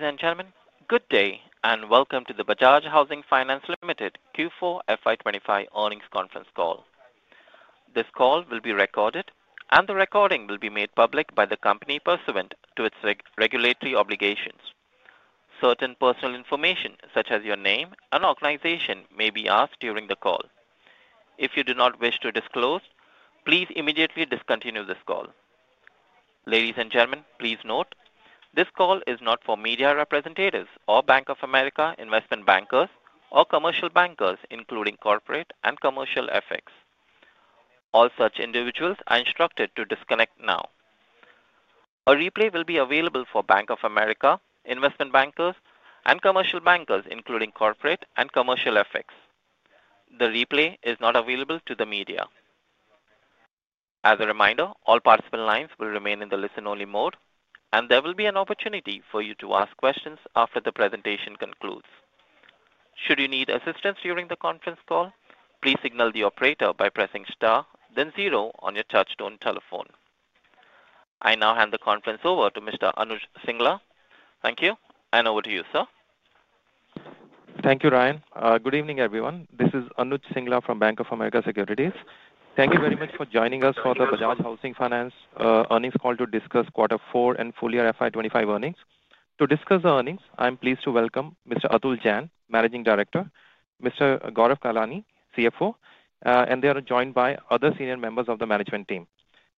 Ladies and gentlemen, good day and welcome to the Bajaj Housing Finance Limited Q4 FY 2025 earnings conference call. This call will be recorded and the recording will be made public by the company pursuant to its regulatory obligations. Certain personal information such as your name and organization may be asked during the call. If you do not wish to disclose, please immediately discontinue this call. Ladies and gentlemen, please note this call is not for media representatives or Bank of America investment bankers or commercial bankers including corporate and commercial FX. All such individuals are instructed to disconnect now. A replay will be available for Bank of America, investment bankers, and commercial bankers including corporate and commercial FX. The replay is not available to the media. As a reminder, all participant lines will remain in the listen only mode and there will be an opportunity for you to ask questions after the presentation concludes. Should you need assistance during the conference call, please signal the operator by pressing star then zero on your touch-tone telephone. I now hand the conference over to Mr. Anuj Singla. Thank you, and over to you, sir. Thank you, Ryan. Good evening everyone. This is Anuj Singla from Bank of America Securities. Thank you very much for joining us for the Bajaj Housing Finance Earnings Call to discuss Quarter 4 and Full Year 2025 earnings. To discuss the earnings, I'm pleased to welcome Mr. Atul Jain, Managing Director, Mr. Gaurav Kalani, CFO, and they are joined by other senior members of the management team.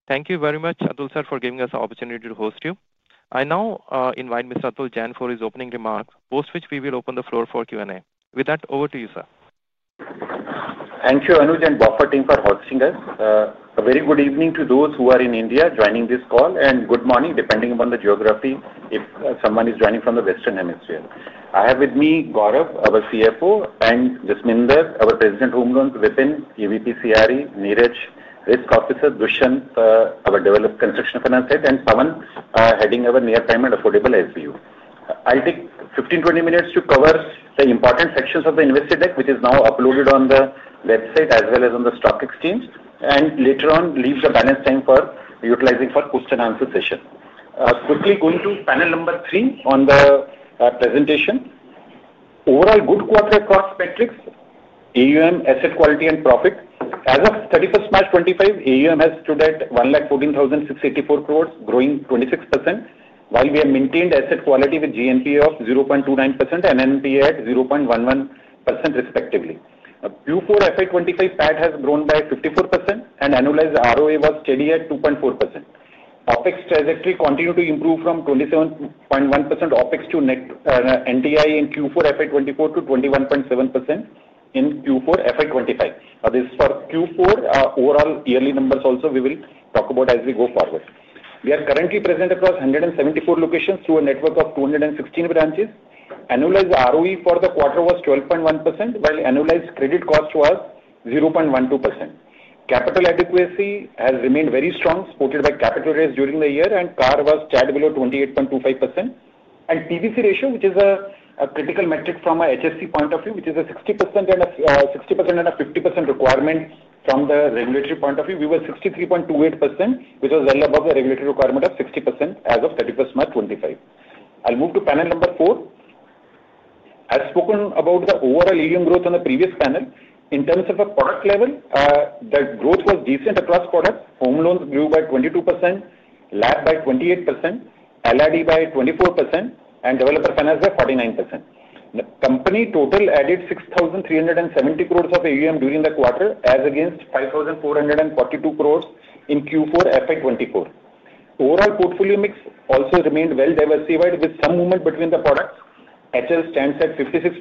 Thank you very much Atul sir for giving us the opportunity to host you. I now invite Mr. Atul Jain for his opening remarks, post which we will open the floor for Q and A. With that, over to you, sir. Thank you, Anuj and BofA team, for hosting us. A very good evening to those who are in India joining this call, and good morning, depending upon the geography, if someone is joining from the Western hemisphere. I have with me Gaurav, our CFO, and Jasminder, our President, Home Loans, Vipin, EVP CRE, Niraj, Risk Officer, Dushyant, our Developer Construction Finance Head, and Pawan, heading our Near Prime and Affordable SBU. I'll take 15 minutes-20 minutes to cover the important sections of the Investor deck which is now uploaded on the website as well as on the stock exchange and later on leave the balance time for utilizing for question-and-answer session. Quickly going to panel number three on the presentation. Overall good quarter across metrics: AUM, asset quality, and profit. As of 31st March 2025, AUM has stood at 114,684 crore growing 26% while we have maintained asset quality with GNPA of 0.29% and NNPA at 0.11% respectively. Q4 FY 2025 PAT has grown by 54% and annualized ROA was steady at 2.4%. OpEx trajectory continued to improve from 27.1% OpEx to NTI in Q4 FY 2024 to 21.7% in Q4 FY 2025. This for Q4 overall yearly numbers also we will talk about as we go forward. We are currently present across 174 locations through a network of 216 branches. Annualized ROE for the quarter was 12.1% while annualized credit cost was 0.12%. Capital adequacy has remained very strong supported by capital raise during the year and CAR was just below 28.25% and PBC ratio, which is a critical metric from a HFC point of view, which is a 60% and a 50% requirement from the regulatory point of view, we were 63.28%, which was well above the regulatory requirement of 60% as of 31st March 2025. I'll move to panel number four. I've spoken about the overall AUM growth on the previous panel, in terms of the product level, the growth was decent across quarters. Home Loans grew by 22%, LAP by 28%, LRD by 24%, and Developer Finance by 49%. The company total added 6,370 crore of AUM during the quarter as against 5,442 crore in Q4 FY 2024. Overall portfolio mix also remained well diversified with some movement between the products. HL stands at 56.2%,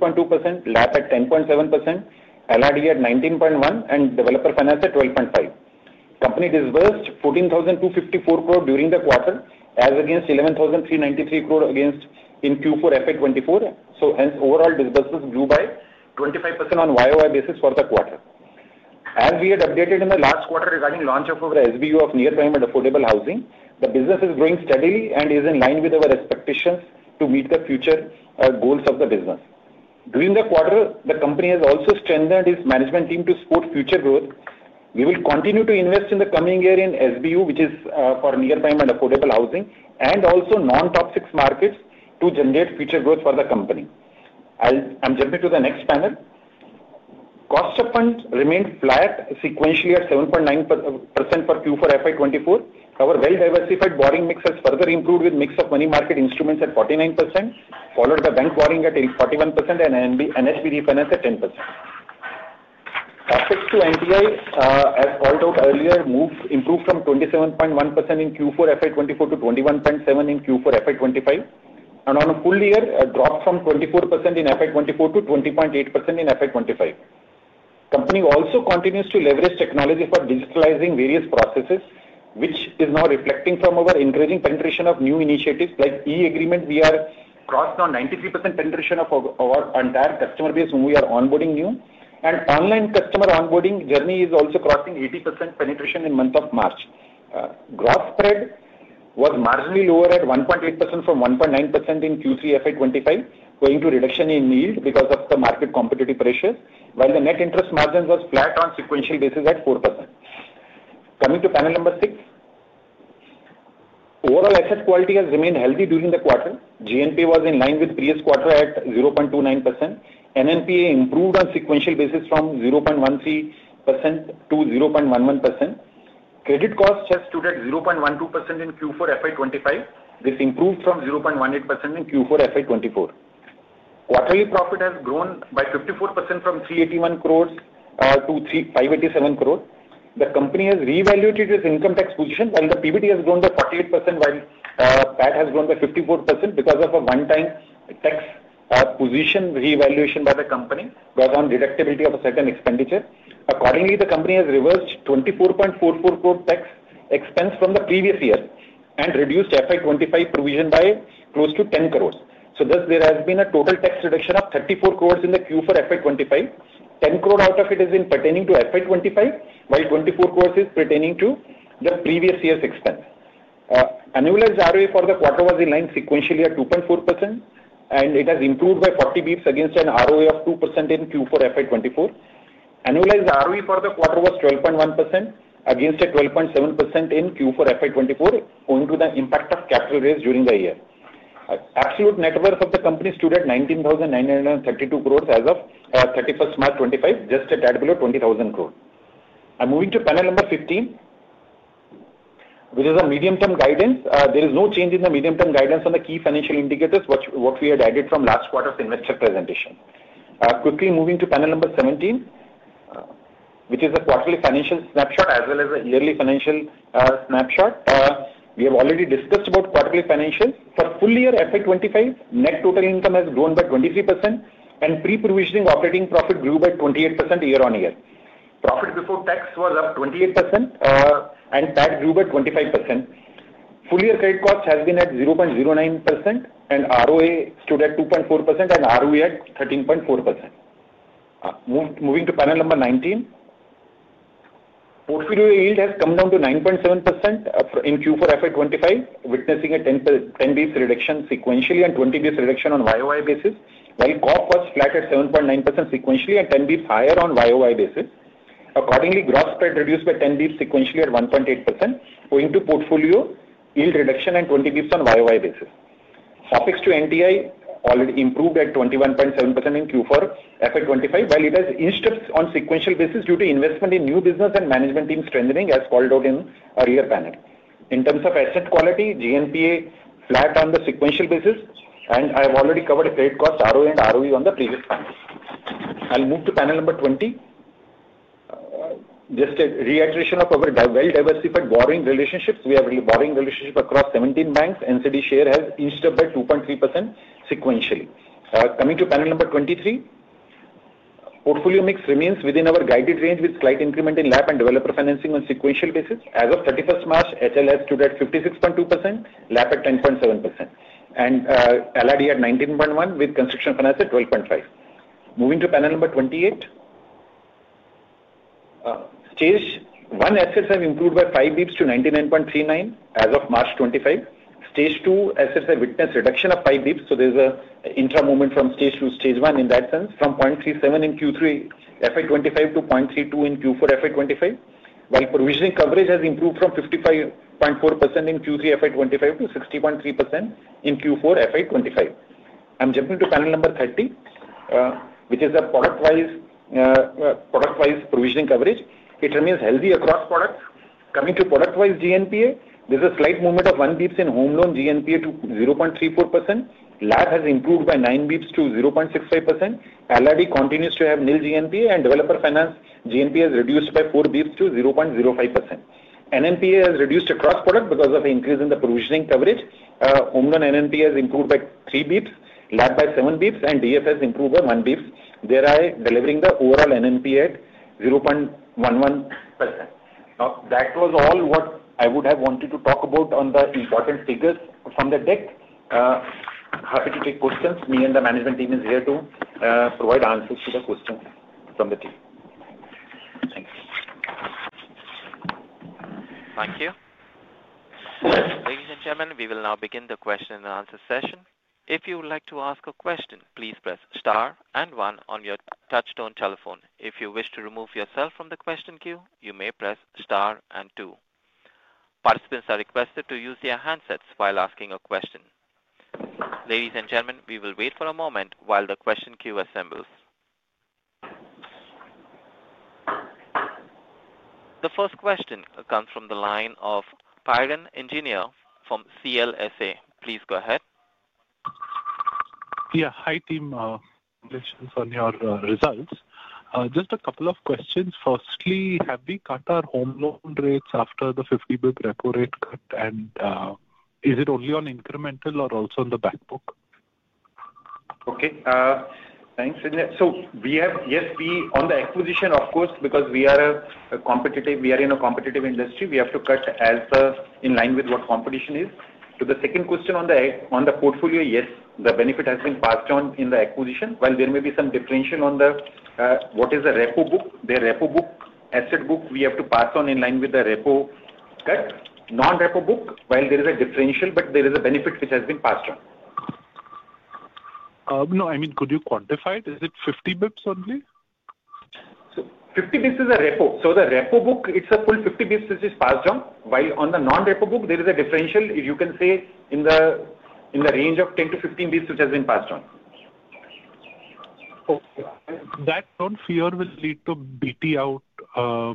LAP at 10.7%, LRD at 19.1% and Developer Finance at 12.5%. Company disbursed 14,254 crore during the quarter as against 11,393 crore in Q4 FY 2024 so overall disbursements grew by 25% on YoY basis for the quarter. As we had updated in the last quarter regarding launch of our SBU of Near Prime and Affordable Housing, the business is growing steadily and is in line with our expectations to meet the future goals of the business. During the quarter, the company has also strengthened its management team to support future growth. We will continue to invest in the coming year in SBU which is for Near Prime and Affordable Housing and also non top six markets to generate future growth for the company. I'm jumping to the next panel. Cost of funds remained flat sequentially at 7.9% for Q4 FY 2024. Our well-diversified borrowing mix has further improved with mix of money market instruments at 49% followed by bank borrowing at 41% and NHB refinance at 10%. OpEx to NTI, as called out earlier, improved from 27.1% in Q4 FY 2024 to 21.7% in Q4 FY 2025 and on a full year dropped from 24% in FY 2024 to 20.8% in FY 2025. Company also continues to leverage technology for digitalizing various processes which is now reflecting from our increasing penetration of new initiatives like e-agreement. We have crossed on 93% penetration of our entire customer base whom we are onboarding new. And online customer onboarding journey is also crossing 80% penetration in month of March. Gross spread was marginally lower at 1.8% from 1.9% in Q3 FY 2025 owing to reduction in yield because of the market competitive pressure while the net interest margin was flat on sequential basis at 4%. Coming to panel number six, overall asset quality has remained healthy during the quarter. GNPA was in line with previous quarter at 0.29%. NNPA improved on sequential basis from 0.13% to 0.11%. Credit costs have stood at 0.12% in Q4 FY 2025. This improved from 0.18% in Q4 FY 2024. Quarterly profit has grown by 54% from 381 crore to 587 crore. The company has revaluated its income tax position while the PBT has grown by 48% while PAT has grown by 54% because of a one-time tax position reevaluation by the company brought on deductibility of a certain expenditure. Accordingly, the company has reversed 24.44 crore tax expense from the previous year and reduced FY 2025 provision by close to 10 crore. Thus, there has been a total tax reduction of 34 crore in the Q4 FY 2025. 10 crore out of it has been pertaining to FY 2025 while 24 crore is pertaining to the previous year's expense. Annualized ROA for the quarter was in line sequentially at 2.4% and it has improved by 40 basis points against an ROA of 2% in Q4 FY 2024. Annualized ROA for the quarter was 12.1% against a 12.7% in Q4 FY 2024 owing to the impact of capital raise during the year. Absolute net worth of the company stood at 19,932 crore as of 31st March 25th, just a tad below 20,000 crore. I'm moving to panel number 15 which is a medium term guidance. There is no change in the medium term guidance on the key financial indicators what we had guided from last quarter's investor presentation. Quickly moving to panel number 17 which is a quarterly financial snapshot as well as a yearly financial snapshot. We have already discussed about quarterly financial for full year FY 2025 net total income has grown by 23% and pre-provisioning operating profit grew by 28% year-on-year. Profit before tax was up 28% and PAT grew by 25%. Full year credit cost has been at 0.09% and ROA stood at 2.4% and ROE at 13.4%. Moving to panel number 19, portfolio yield has come down to 9.7% in Q4 FY 2025 witnessing a 10 basis points reduction sequentially and 20 basis points reduction on YoY basis while cost of funds was flat at 7.9% sequentially and 10 basis points higher on YoY basis. Accordingly, gross spread reduced by 10 basis points sequentially at 1.8% owing to portfolio yield reduction and 20 basis points on YoY basis. OpEx to NTI already improved at 21.7% in Q4 FY 2025 while it has inched up on sequential basis due to investment in new business and management team strengthening as called out in earlier panel. In terms of asset quality, GNPA flat on the sequential basis and I have already covered credit cost, ROA, and ROE on the previous panel. I'll move to panel number 20. Just a reiteration of our well-diversified borrowing relationships, we have borrowing relationship across 17 banks. NCD share has inched up by 2.3% sequentially. Coming to panel number 23, portfolio mix remains within our guided range with slight increment in LAP and developer financing on sequential basis. As of 31st March, HL has stood at 56.2%, LAP at 10.7%, and LRD at 19.1% with Construction Finance at 12.5%. Moving to panel number 28. Stage one assets have improved by 5 basis points to 99.39% as of March 2025. Stage two assets have witnessed reduction of 5 basis points. There is an intra movement from stage two to stage one in that sense from 0.37% in Q3 FY 2025 to 0.32% in Q4 FY 2025, while provisioning coverage has improved from 55% in Q3 FY 2025 to 60.3% in Q4 FY 2025. I'm jumping to panel number 30, which is a product-wise provisioning coverage. It remains healthy across products. Coming to product wise GNPA, there is a slight movement of 1 basis point in Home Loans GNPA to 0.34%, LAP has improved by 9 basis points to 0.65%, LRD continues to have nil GNPA, and Developer Finance GNPA has reduced by 4 basis points to 0.05%. NNPA has reduced across products because of increase in the provisioning coverage. Home Loans NNPA has improved by 3 basis points, LAP by 7 basis points, and DF has improved by 1 basis point, thereby delivering the overall NNPA at 0.11%. Now, that was all what I would have wanted to talk about on the important figures from the deck. Happy to take questions. Me and the management team are here to provide answers to the questions from the team. Thank you, ladies and gentlemen, we will now begin the question-and-answer session. If you would like to ask a question, please press star and one on your touch-tone telephone. If you wish to remove yourself from the question queue, you may press star and two. Participants are requested to use their handsets while asking a question. Ladies and gentlemen, we will wait for a moment while the question queue assembles. The first question comes from the line of Piran Engineer from CLSA. Please go ahead. Yeah, hi team. Congratulations on your results. Just a couple of questions. Firstly, have we cut our home loan rates after the 50 basis points repo rate cut? And is it only on incremental or also on the back book? Okay, thanks. Yes, we have on the acquisition, of course, because we are in a competitive industry, we have to cut as in line with what competition is. To the second question on the portfolio, yes, the benefit has been passed on in the acquisition. While there may be some differential on the repo book. The repo book asset book, we have to pass on in line with the repo, non-repo book. While there is a differential, there is a benefit which has been passed on. No, I mean could you quantify it? Is it 50 basis points only? Fifty basis points is the repo, so the repo book, it's a full 50 basis points which is passed on, while on the non-repo book there is a differential, if you can say, in the range of 10 basis point-15 basis points which has been passed on. That don't fear will lead to BT out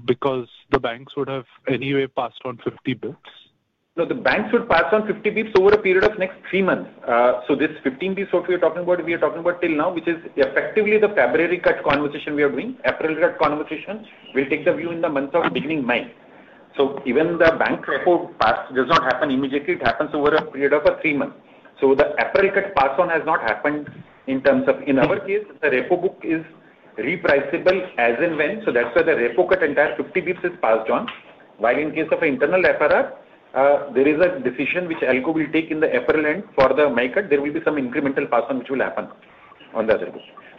because the banks would have anyway passed on 50 basis points? Now the banks would pass on 50 basis points over a period of next three months. This 15 basis points what we are talking about, we are talking about till now which is effectively the February cut conversation we are doing. April cut conversations will take the view in the month of beginning May. Even the bank repo pass does not happen immediately. It happens over a period of three months. The April cut pass on has not happened in terms of in our case the repo book is repriceable as and when. That's why the repo cut entire 50 basis points is passed on. While in case of internal FRR, there is a decision which ALCO will take in the April end for the May cut there will be some incremental pass on which will happen on the other.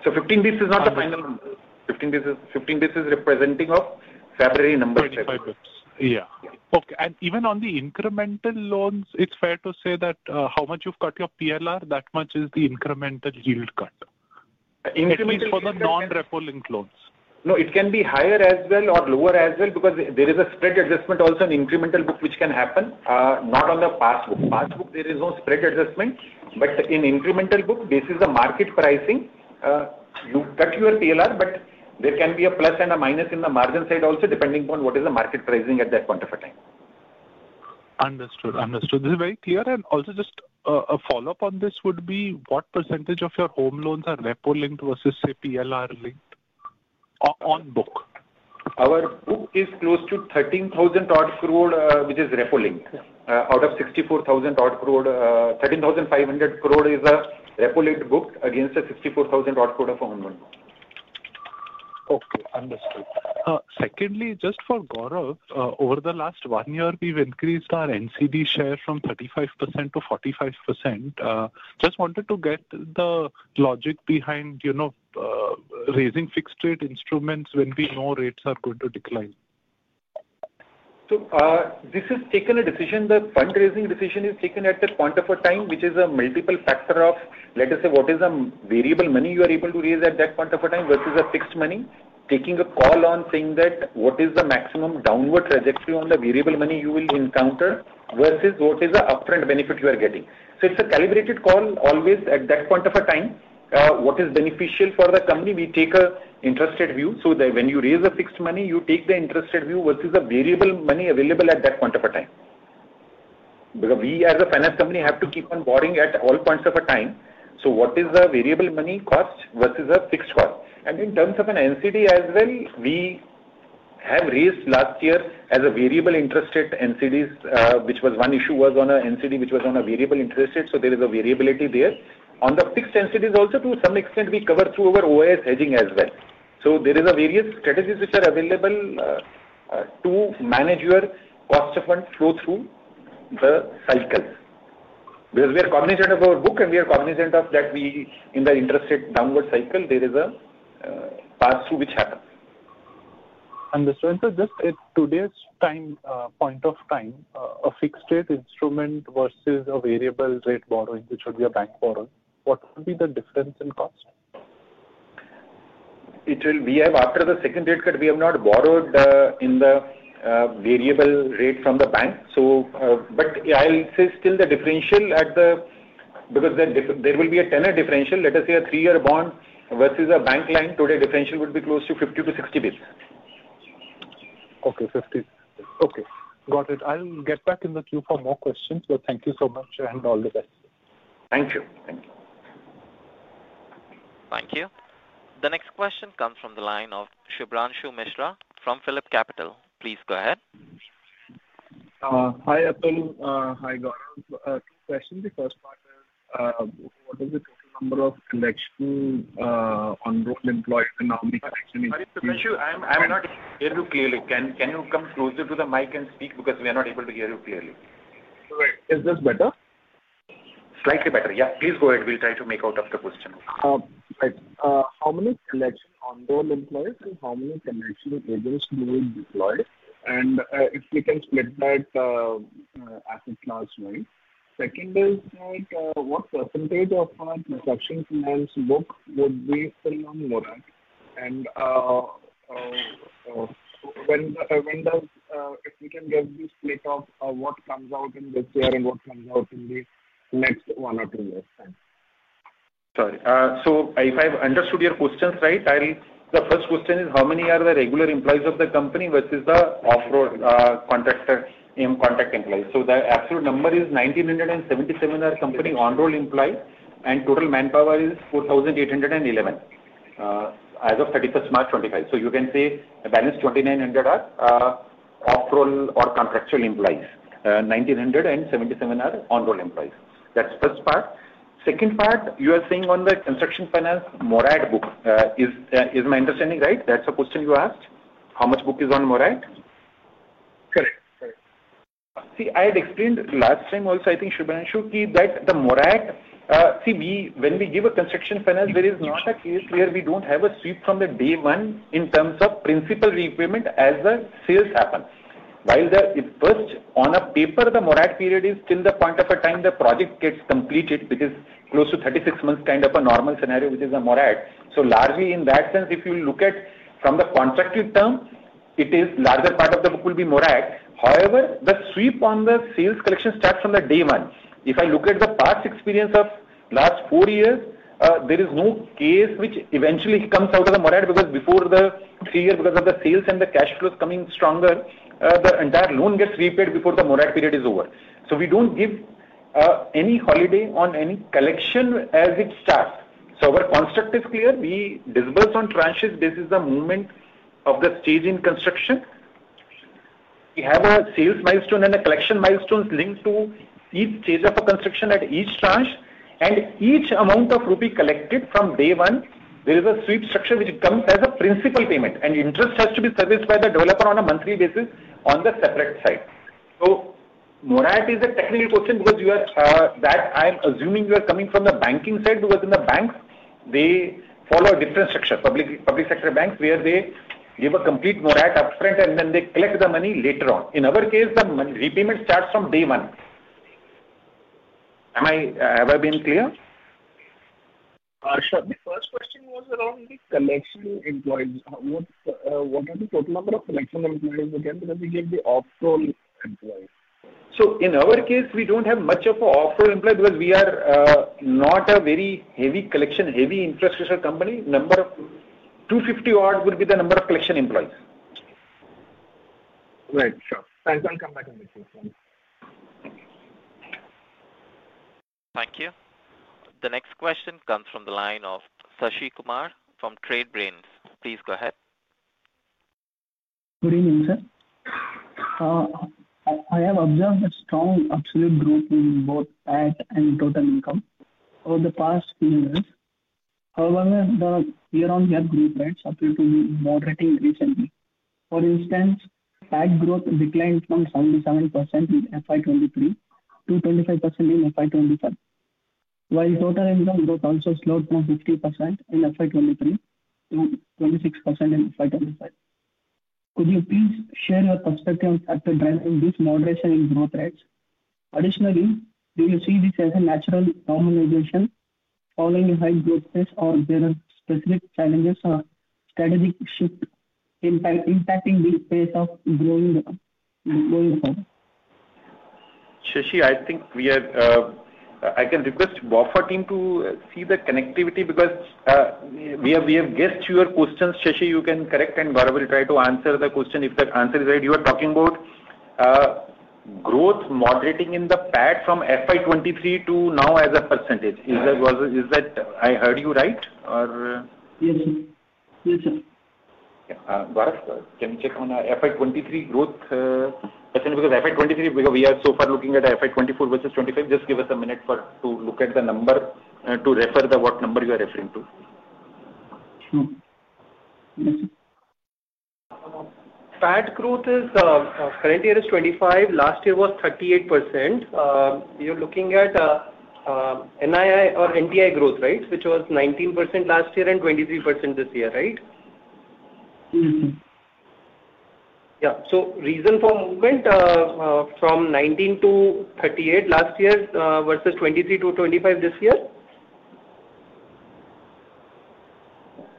Fifteen basis points is not the final number. Fifteen, this is fifteen. This is representing a February number. Yeah. Okay. Even on the incremental loans, it's fair to say that how much you've cut your PLR, that much is the incremental yield cut at least for the non repo-linked loans. No, it can be higher as well or lower as well because there is a spread adjustment also in incremental book which can happen. Not on the past book, there is no spread adjustment, but in incremental book this is the market pricing. You cut your PLR, but there can be a plus and a minus in the margin side also depending on what is the market pricing at that point of time. Understood? Understood. This is very clear. Also, just a follow up on this would be what percentage of your Home Loans are repo-linked versus say PLR linked on book? Our book is close to 13,000-odd crore which is repo-linked out of 64,000-odd crore. 13,500 crore is a repo-linked book against a 64,000-odd crore of Home Loans. Okay, understood. Secondly, just for Gaurav, over the last one year we've increased our NCD share from 35% to 45%. Just wanted to get the logic behind, you know, raising fixed rate instruments when we know rates are going to decline. This is taken a decision that fundraising decision is taken at that point of a time which is a multiple factor of, let us say what is a variable money you are able to raise at that point of a time versus a fixed money. Taking a call on saying that what is the maximum downward trajectory on the variable money you will encounter versus what is the upfront benefit you are getting. So it is a calibrated call always at that point of a time what is beneficial for the company. We take an interest rate view so that when you raise a fixed money you take the interest rate view versus a variable money available at that point of a time. Because we as a finance company have to keep on borrowing at all points of a time. What is the variable money cost versus a fixed cost? And in terms of an NCD as well, we have raised last year as a variable interest rate NCDs, which was one issue, was on an NCD which was on a variable interest rate. There is a variability there. On the fixed NCD, also to some extent, we cover through our OIS hedging as well. There are various strategies which are available to manage your cost of fund flow through the cycles. We are cognizant of our book, and we are cognizant that in the interest rate downward cycle, there is a pass-through which happens. The strength is just it today's time point of time a fixed rate instrument versus a variable rate borrowing which would be a bank borrowing. What would be the difference in cost? It will be. After the second rate cut we have not borrowed in the variable rate from the bank. I'll say still the differential at the, because there will be a tenor differential. Let us say a three-year bond versus a bank line, today differential would be close to 50 basis points-60 basis points. Okay, 50. Okay, got it. I'll get back in the queue for more questions, but thank you so much and all the best. Thank you. Thank you. The next question comes from the line of Shubhranshu Mishra from PhillipCapital. Please go ahead. Hi Atul. Hi Gaurav. Two questions. The first partner, what is the total number of collection on-roll employees I'm not hear you clearly. Can you come closer to the mic and speak because we are not able to hear you clearly. Right. Is this better? Slightly better, yeah. Please go ahead. We'll try to make out of the question. How many collection on-roll employees and how many connection agents will be deployed? And if we can split that asset class, right? Second is that what percentage of our Construction Finance book would be still in morat? And if we can get the split of what comes out in this year and what comes out in the next one or two years. Sorry. If I understood your questions right, the first question is how many are the regular employees of the company versus the off-roll contractor and contract employees. The absolute number is 1,977 are company on-roll employees and total manpower is 4,811 as of 31st March 2025. You can say balance 2,900 are off-roll or contractual employees. 1,977 are on-roll employees. That's first part. Second part, you are saying on the Construction Finance morat book. Is my understanding right? That's the question you asked? How much book is on morat? Correct. See, I had explained last time also, I think should keep that the morat. See, when we give a Construction Finance, there is not a case where we don't have a sweep from day one in terms of principal repayment as the sales happen. While the first on a paper, the morat period is till the point of a time the project gets completed which is close to 36 months kind of a normal scenario which is a morat. Largely in that sense if you look at from the contracted term, it is larger part of the book will be morat. However, the sweep on the sales collection starts from day one. If I look at the past experience of last four years, there is no case which eventually comes out of the morat before the three year because of the sales and the cash flows coming stronger, the entire loan gets repaid before the morat period is over. We do not give any holiday on any collection as it starts. Our construct is clear. We disburse on tranches. This is the movement of the stage in construction. We have a sales milestone and a collection milestone linked to each stage of a construction. At each tranche and each amount of rupee collected from day one, there is a sweep structure which comes as a principal payment, and interest has to be serviced by the developer on a monthly basis on the separate side. Morat is a technical question because you are, I am assuming you are coming from the banking side, because in the banks, they follow a different structure, public sector banks, where they give a complete morat up front and then they collect the money later on. In our case, the repayment starts from day one. Have I been clear? Sure. The first question was around the collection employees. What are the total number of collection employees and what we give the off-roll employees? In our case we don't have much of off-roll employee because we are not a very heavy collection, heavy infrastructure company. Number 250-odd would be the number of collection employees. Right. Sure. I can come back in the queue. Thank you. The next question comes from the line of Shashi Kumar from Trade Brains. Please go ahead. Good evening sir. I have observed a strong absolute growth in both PAT and total income over the past few years. However, the year-on-year growth rates appear to be moderating recently. For instance, PAT growth declined from 77% in FY 2023 to 25% in FY 2025, while total income growth also slowed from 50% in FY 2023 to 26% in FY 2025. Could you please share your perspective on the driving factors behind this moderation in growth rates? Additionally, do you see this as a natural normalization following a high growth phase, or are there specific challenges or a strategic shift impacting this pace of growing income? Shashi, I think we are, I can request BofA team to see the connectivity because we have guessed your questions. Shashi, you can correct, and Gaurav will try to answer the question. If that answer is right, you are talking about growth moderating in the PAT from FY 20 23 to now as a percentage. Is that, I heard you right? Yes, yes sir. Gaurav, can you check on FY 2023 growth percent? Because FY 2023, because we are so far looking at FY 2024 versus 2025. Just give us a minute to look at the number to refer to what number you are referring to. PAT growth is current year is 25%. Last year was 38%. You're looking at NTI growth, right? Which was 19% last year and 23% this year, right? Yeah. So reason for movement from 19 to 38 last year versus 2023 to 2025 this year?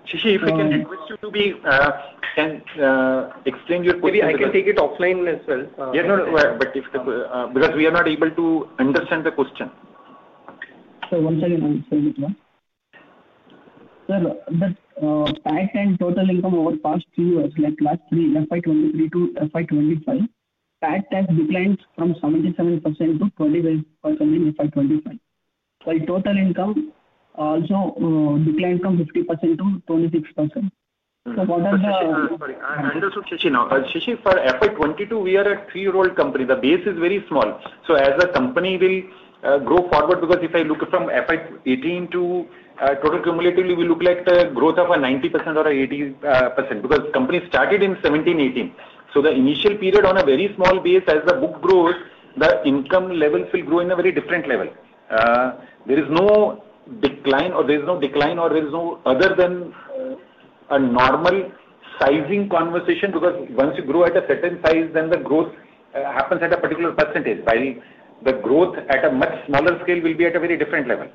Shashi, if I can request you to be and explain your question. Maybe I can take it offline as well. Yeah, no, but if because we are not able to understand the question. Once again, the PAT and total income over past few years, like last three FY 2023 to FY 2025, PAT has declined from 77% to 25% in FY 2025, while total income also declined from 50% to 26% Shashi, for FY 2022, we were a three-year-old company. The base is very small. As the company will grow forward, because if I look from FY 2018 to total cumulatively, we look like the growth of a 90% or 80% because the company started in 2017, 2018. The initial period on a very small base, as the book grows, the income levels will grow in a very different level. There is no decline or there is no decline or there is no other than a normal-sizing conversation because once you grow at a certain size, then the growth happens at a particular percentage while the growth at a much smaller scale will be at a very different level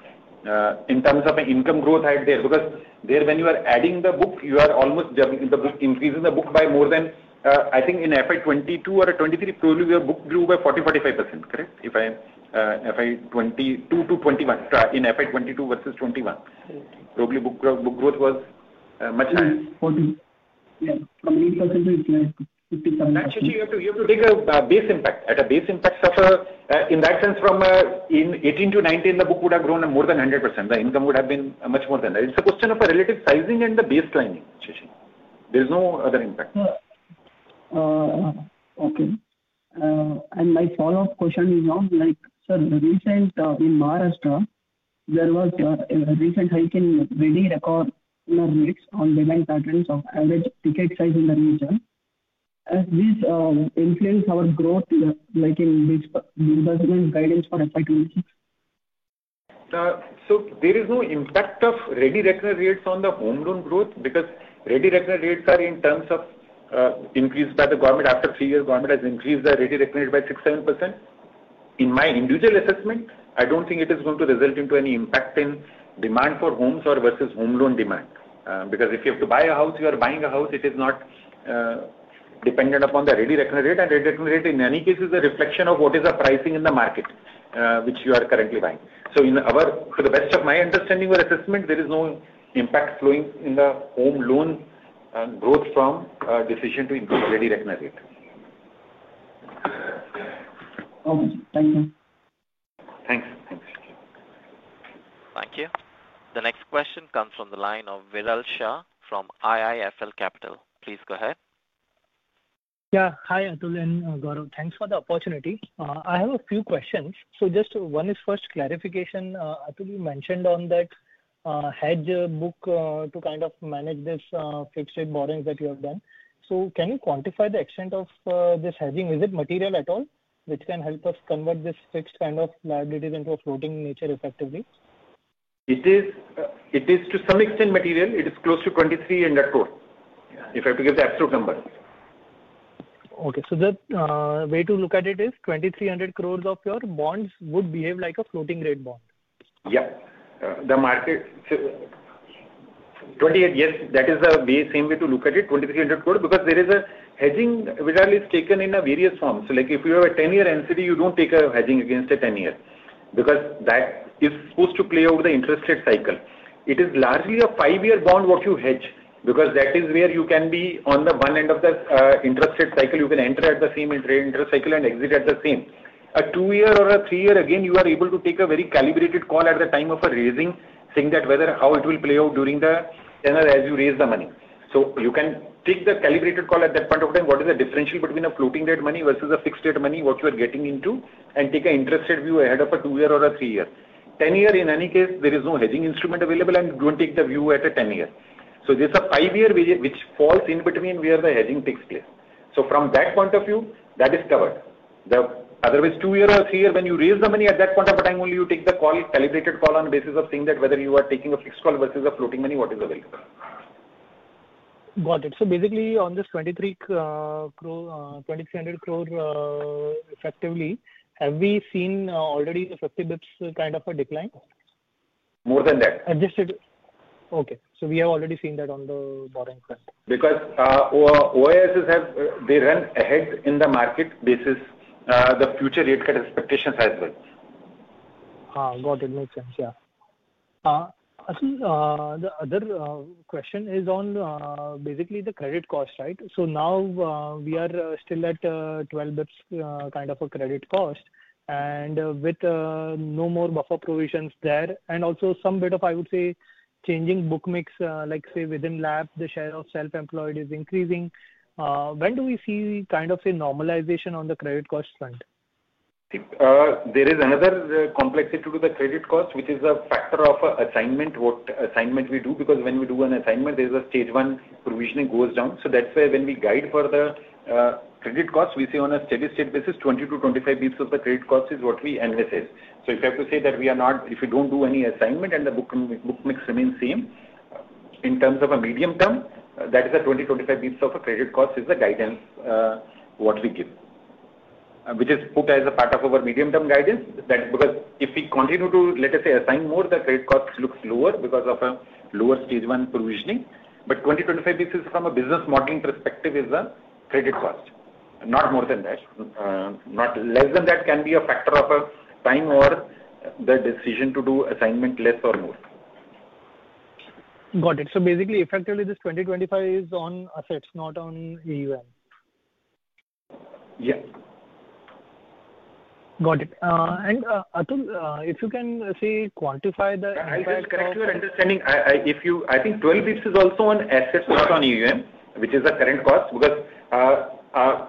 in terms of income growth right there. Because there when you are adding the book, you are almost increasing the book by more than, I think in FY 2022 or 2023, probably your book grew by 40%-45%, correct? FY 2022 to 2021, in FY 2022 versus 2021, probably book growth was much higher. You have to take a base impact, at a base impact suffer in that sense from in 2018 to 2019 the book would have grown more than 100%. The income would have been much more than that. It's a question of a relative sizing and the baselining. There's no other impact. Okay. My follow up question is on like, sir, recent in Maharashtra there was your recent hike in ready reckoner in our mix on demand patterns of average ticket size in the region. Can this influence our growth like in this guidance for FY 2026? There is no impact of ready reckoner rates on the home loan growth because ready reckoner rates are in terms of increase by the government. After three years, government has increased the ready reckoner by 6%-%. In my individual assessment, I don't think it is going to result into any impact in demand for homes or versus home loan demand. Because if you have to buy a house, you are buying a house. It is not dependent upon the ready reckoner rate. And ready reckoner rate in any case is a reflection of what is the pricing in the market which you are currently buying. To the best of my understanding or assessment, there is no impact flowing in the home loan growth from decision to increased ready reckoner rate. Okay. Thank you. Thanks. Thank you. The next question comes from the line of Viral Shah from IIFL Capital. Please go ahead. Yeah. Hi Atul and Gaurav. Thanks for the opportunity. I have a few questions. Just one is first clarification. Atul, you mentioned on that hedge book to kind of manage this fixed rate borrowings that you have done. Can you quantify the extent of this hedging? Is it material at all which can help us convert this fixed kind of liabilities into a floating nature effectively? it is. It is to some extent material. It is close to 2,300 crore if I have to give the absolute number. Okay, so the way to look at it is 2,300 crore of your bonds would behave like a floating rate bond? Yeah. The market, yes, that is the same way to look at it. 2,300 crore because there is a hedging. Viral, it's taken in various forms. Like if you have a 10-year NCD, you do not take a hedging against a 10 years because that is supposed to play over the interest rate cycle. It is largely a five-year bond what you hedge because that is where you can be on the one end of the interest rate cycle. You can enter at the same rate interest cycle and exit at the same. A two-year or a three-year, again you are able to take a very calibrated call at the time of raising, seeing that whether how it will play out during the tenor as you raise the money. You can take the calibrated call at that point of time. What is the differential between a floating rate money versus a fixed rate money what you are getting into? Take an interest rate view ahead of a two-year or a three-year. Ten-year, in any case there is no hedging instrument available and we don't take the view at a 10-year. So there is a five-year which falls in between where the hedging takes place. From that point of view that is covered. The other way is two years or three years, when you raise the money at that point of time, only you take the call, calibrated call on basis of seeing that whether you are taking a fixed call versus a floating money what is available. Got it. Basically on this 2,300 crore effectively, have we seen already 50 basis points kind of a decline? More than that. Adjusted. Okay. We have already seen that on the borrowing front? Because OIS, they run ahead in the market. This is the future rate cut expectations as well. Got it. Makes sense. Yeah. Atul, the other question is on basically the credit cost, right? So now, we are still at 12 basis points kind of a credit cost. With no more buffer provisions there, and also some bit of, I would say, changing book mix, like say within LAP, the share of self-employed is increasing. When do we see kind of a normalization on the credit cost front? There is another complexity to the credit cost which is a factor of assignment we do because when we do an assignment, there is a stage one provisioning goes down. That is where when we guide for the credit cost, we see on a steady state basis 20 basis points-25 basis points of the credit cost is what we envisage. If you have to say that we are not, if we do not do any assignment and the book mix remains same in terms of a medium term, that is a 20 basis points-25 basis points of a credit cost is the guidance what we give, which is put as a part of our medium term guidance. That is because if we continue to, let us say, assign more, the credit cost looks lower because of a lower stage one provisioning. But 20 basis points-25 basis points from a business modeling perspective is a credit cost, not more than that, not less than that can be a factor of a time or the decision to do assignment less or more. Got it. Basically, effectively this 20 basis points-25 basis points is on assets, not on AUM? Yes. Got it. Atul, if you can say quantify the impact I will correct your understanding. I think 12 basis points is also an asset, not on AUM, which is the current cost because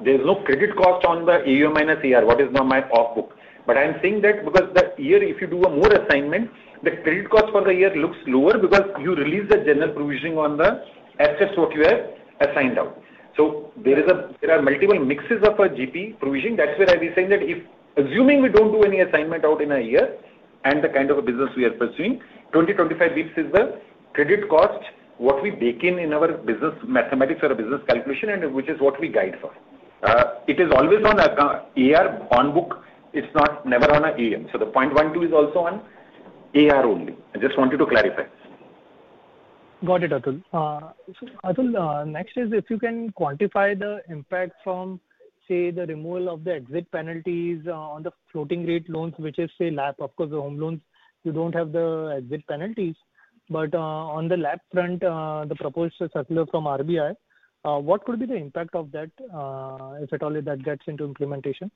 there is no credit cost on the AUM minus AR. What is now my off book? I am saying that because that year, if you do a more assignment, the credit cost for the year looks lower because you release the general provisioning on the assets that you have assigned out. There are multiple mixes of a GP provision. That is where I will be saying that if, assuming we do not do any assignment out in a year and the kind of business we are pursuing, 20 basis points- 25 basis points is the credit cost we bake in our business mathematics or business calculation, and which is what we guide for. It is always on AR on book. It is never on AUM. The 0.12% is also on AR only. I just wanted to clarify. Atul, next is if you can quantify the impact from, say, the removal of the exit penalties on the floating rate loans, which is, say, LAP. Of course, the Home Loans, you do not have the exit penalties, but on the LAP front, the proposed circular from RBI, what could be the impact of that if at all that gets into implementation?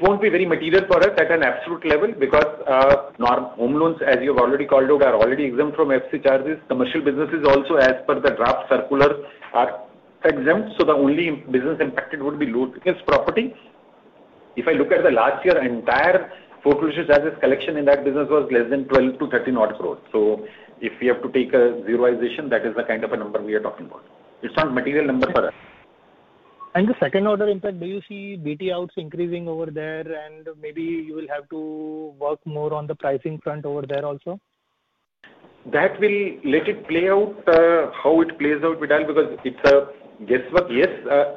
Won't be very material for us at an absolute level because Home Loans, as you have already called out, are already exempt from FC charges. Commercial businesses also, as per the draft circular, are exempt, so the only business impacted would be loan against property. If I look at the last year entire foreclosures as is collection in that business was less than 12 crore-13-odd crore, so if you have to take a zeroization, that is the kind of a number we are talking about. It's not a material number for us. And the second order impact. Do you see BT outs increasing over there? Maybe you will have to work more on the pricing front over there also? That will let it play out how it plays out, Viral, because it's a guess what, yes.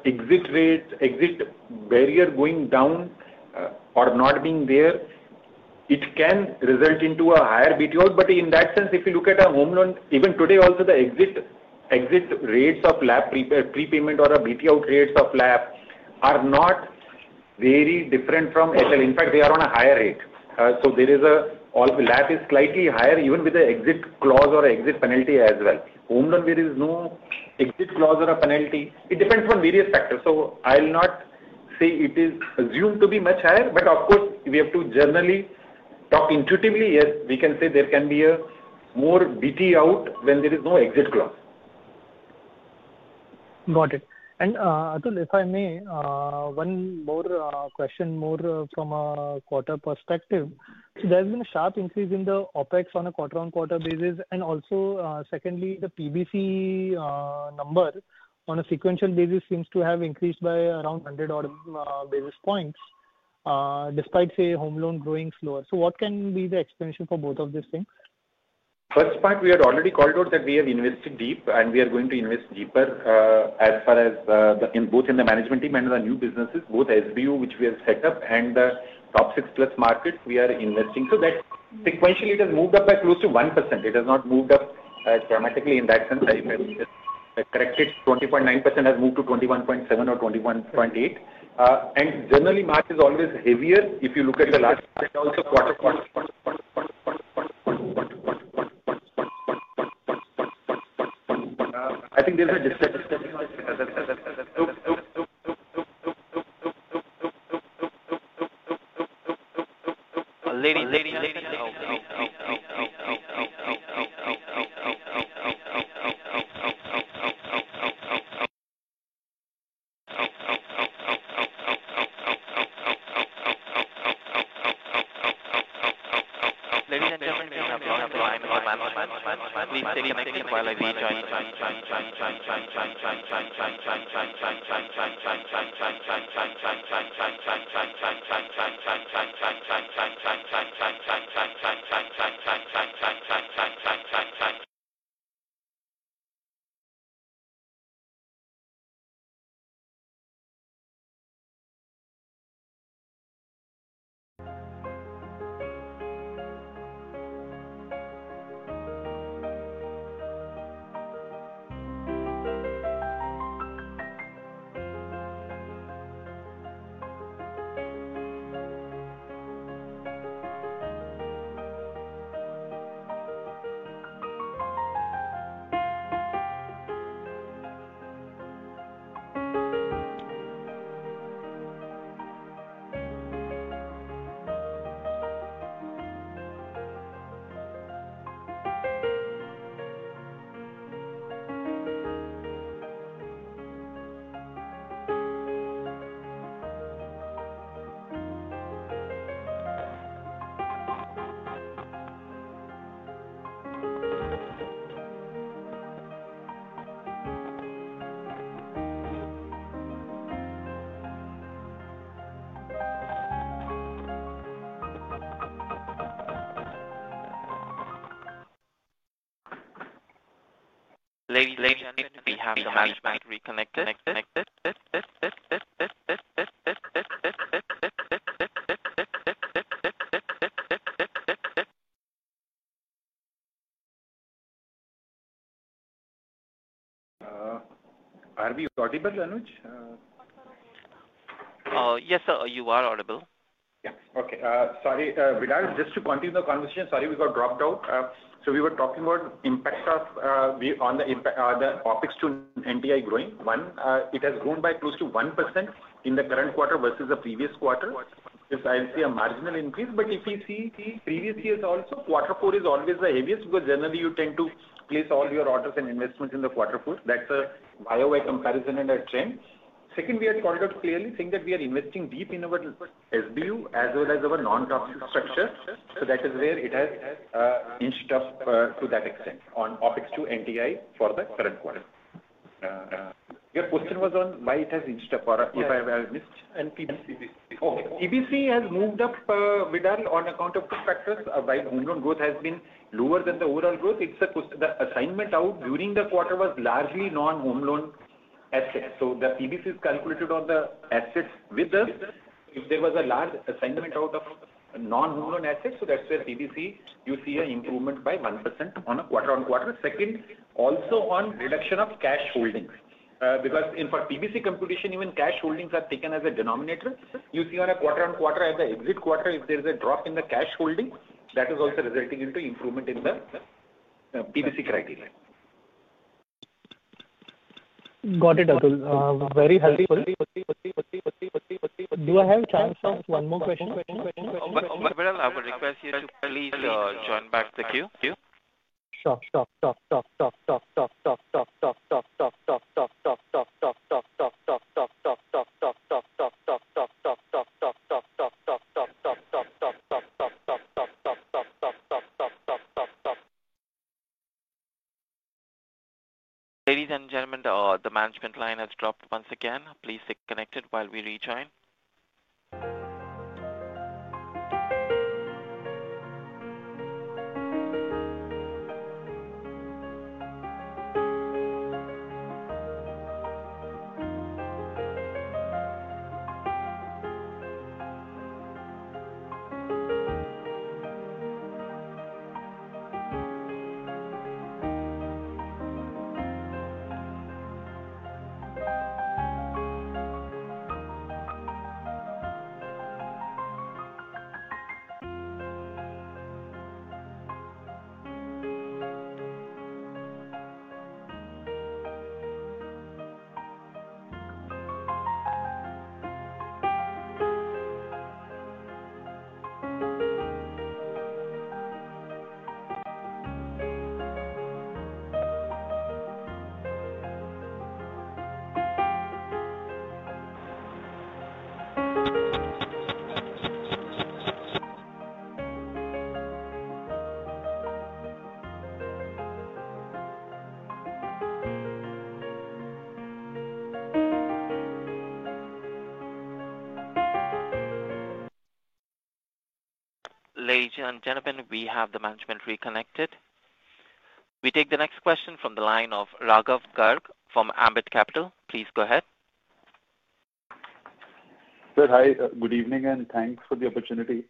Exit rate, exit barrier going down or not being there, it can result into a higher BT out. In that sense, if you look at a Home Loans, even today also, the exit rates of LAP prepayment or a BT out rates of LAP are not very different from HL. In fact, they are on a higher rate. So there is a LAP is slightly higher even with the exit clause or exit penalty as well. Home Loan, there is no exit clause or a penalty. It depends on various factors. I'll not say it is assumed to be much higher. Of course, we have to generally talk intuitively. Yes, we can say there can be a more BT out when there is no exit clause. Got it. Atul, if I may, one more question more from a quarter perspective. There has been a sharp increase in the OpEx on a quarter-on-quarter basis. Also secondly, the PBC number on a sequential basis seems to have increased by around 100-odd basis points despite, say, Home Loan growing slower. What can be the explanation for both of these things? First part, we had already called out that we have invested deep and we are going to invest deeper as far as in both in the management team and the new businesses, both SBU which we have set up and the top six plus market we are investing. That sequentially it has moved up by close to 1%. It has not moved up dramatically in that sense. Ccorrected 20.9% has moved to 21.7% or 21.8% and generally March is always heavier. If you look at the last. I think there's a disturbance Ladies and gentlemen Are we audible Anuj? Yes sir, you are audible. Yeah. Okay. Sorry, Viral, just to continue the conversation. Sorry we got dropped out. We were talking about impact on the OpEx to NTI growing. It has grown by close to 1% in the current quarter versus the previous quarter. I see a marginal increase. If we see the previous years also, quarter four is always the heaviest because generally you tend to place all your orders and investments in quarter four. That is a YoY comparison and a trend. Second, we had called out clearly saying that we are investing deep in our SBU as well as our non-top six structure. That is where it has inched up to that extent on OpEx to NTI for the current quarter. Your question was on why it has inched up or if I missed, PBC has moved up, Viral, on account of two factors. While Home Loan growth has been lower than the overall growth, it's the assignment out during the quarter was largely non-home loan assets. The PBC is calculated on the assets with us, if there was a large assignment out of non-home loan assets, that's where PBC, you see an improvement by 1% on a quarter-on-quarter. Second, also on reduction of cash holdings because in, for PBC computation, even cash holdings are taken as a denominator. You see on a quarter-on-quarter at the exit quarter, if there is a drop in the cash holdings, that is also resulting into improvement in the PBC criteria. Got it, Atul. Very healthy. Do I have a chance of one more question? Stop. Ladies and gentlemen, the management line has dropped once again. Please stay connected while we rejoin. Ladies and gentlemen, we have the management reconnected. We take the next question from the line of Raghav Garg from Ambit Capital. Please go ahead. Hi, good evening and thanks for the opportunity.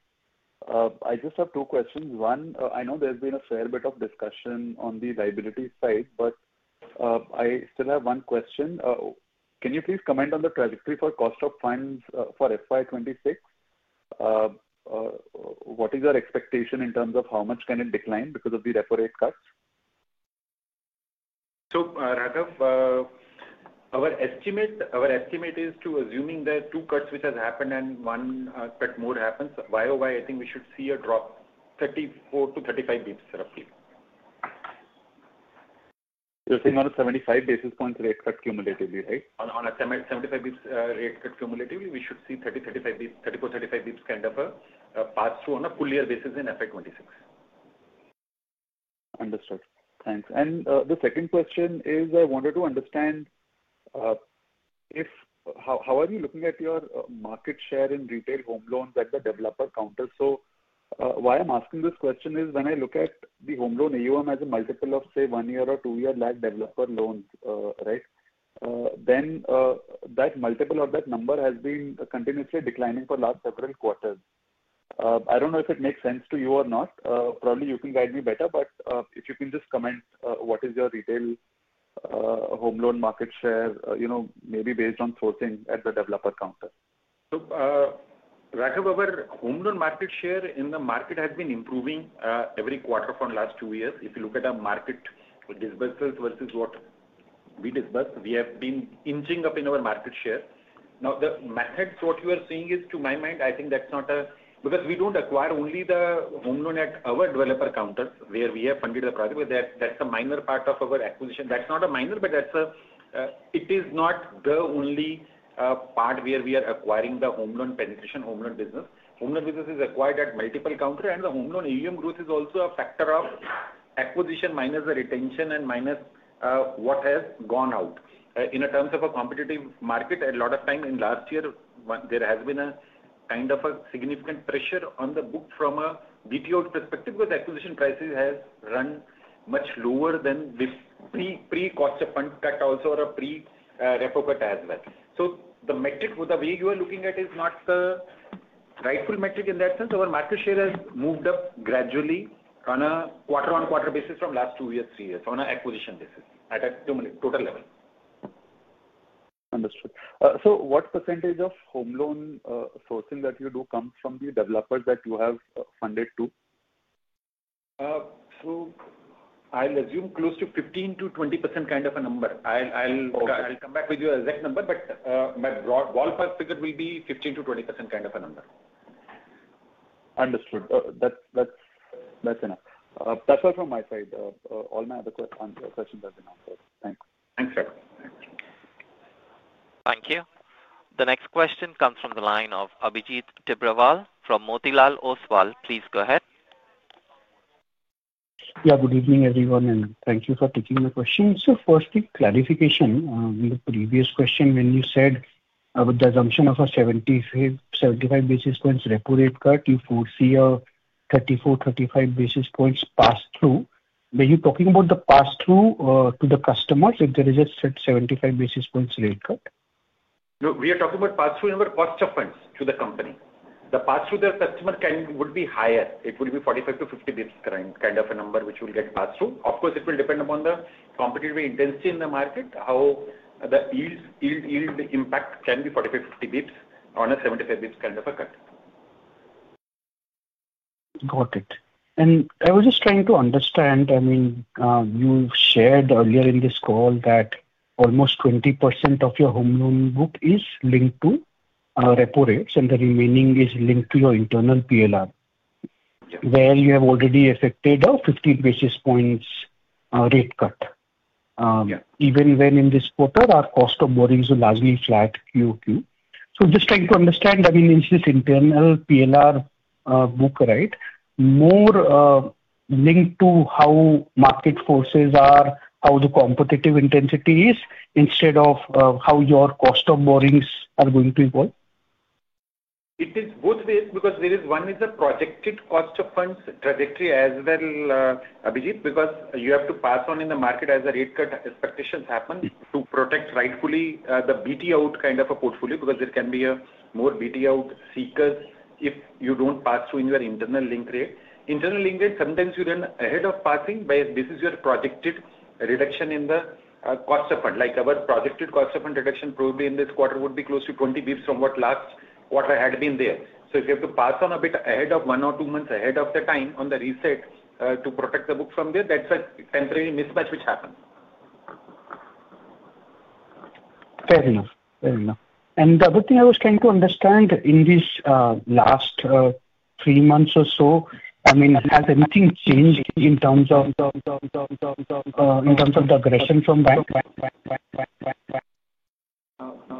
I just have two questions. One, I know there's been a fair bit of discussion on the liability side but I still have one question. Can you please comment on the trajectory for cost of funds for FY 2026? What is your expectation in terms of how much can it decline because of the repo rate cuts? Raghav, our estimate. Our estimate is to assuming that two cuts which has happened and one cut more happens, YoY I think we should see a drop 34 b basis points-35 basis points roughly. You're saying on a 75 basis points rate cut cumulatively, right? On a 75 basis points rate cut cumulatively we should see 34 basis points-35 basis points kind of pass-through on a full year basis in FY 2026. Understood. Thanks. The second question is I wanted to understand how are you looking at your market share in retail home loans at the developer counter? Why I'm asking this question is when I look at the Home Loan AUM as a multiple of say one-year or two-year LAP developer loans, right. That multiple of that number has been continuously declining for last several quarters. I don't know if it makes sense to you or not. Probably you can guide me better but if you can just comment what is your retail home loan market share maybe based on sourcing at the developer counter? Raghav, our home loan market share in the market has been improving every quarter from last two years. If you look at our market disbursement versus what we disbursed, we have been inching up in our market share. Now the metric what you are seeing is to my mind, I think that's not a, because we don't acquire only the home loan at our developer counters where we have funded the project with that. That's a minor part of our acquisition. That's not a minor but it is not the only part where we are acquiring the home loan penetration, Home Loan business. Home Loan business is acquired at multiple counters and the Home Loan AUM growth is also a factor of acquisition minus the retention and minus what has gone out. In terms of a competitive market, a lot of time in last year there has been a kind of a significant pressure on the book from a BT out perspective where the acquisition prices have run much lower than the pre-cost fund cut also or a pre-repo cut as well. The metric with the way you are looking at is not the rightful metric in that sense. Our market share has moved up gradually on a quarter-on-quarter basis from last two years, three years on an acquisition basis at a total level. Understood. What percentage of home loan sourcing that you do comes from the developers that you have funded to? I'll assume close to 15%-20% kind of a number. I'll come back with your exact number, but my ballpark figure will be 15%-20% kind of a number. Understood. That's enough. That's all from my side. All my other questions have been answered. Thanks. Thanks. Thank you. The next question comes from the line of Abhijit Tibrewal from Motilal Oswal. Please go ahead. Yeah. Good evening everyone and thank you for taking my question. First clarification. The previous question when you said with the assumption of a 75 basis points repo rate cut, you foresee a 34 basis points-35 basis points pass-through. Were you talking about the pass-through to the customers if there is a 75 basis points rate cut? No, we are talking about pass-through number cost of funds to the company. The pass-through to the customer would be higher. It will be 45 basis points-50 basis points kind of a number which will get passed through. Of course it will depend upon the competitive intensity in the market, how the yield impact can be 45 basis points-50 basis points on a 75 basis points kind of a cut. Got it. I was just trying to understand. I mean you shared earlier in this call that almost 20% of your home loan book is linked to repo rates and the remaining is linked to your internal PLR where you have already effected 15 basis points rate cut. Even when in this quarter, our cost of borrowing is largely flat QoQ. Just trying to understand I mean is this internal PLR book, right, more linked to how market forces are, how the competitive intensity is instead of how your cost of borrowings are going to evolve? It is both ways because there is one is a projected cost of funds trajectory as well, Abhijit. Because you have to pass on in the market as a rate cut expectations happen to protect rightfully the BT out kind of a portfolio because there can be more BT out seekers. If you do not pass-through in your internal link rate. Internal linked rate, sometimes you run ahead of passing by. This is your projected reduction in the cost of fund, like our projected cost of introduction probably in this quarter would be close to 20 basis points from what last quarter had been there. If you have to pass on a bit ahead, one or two months ahead of the time on the reset to protect the book from there, that is a temporary mismatch which happens. Fair enough. The other thing I was trying to understand in this last three months or so, I mean has anything changed in terms of the aggression from banks?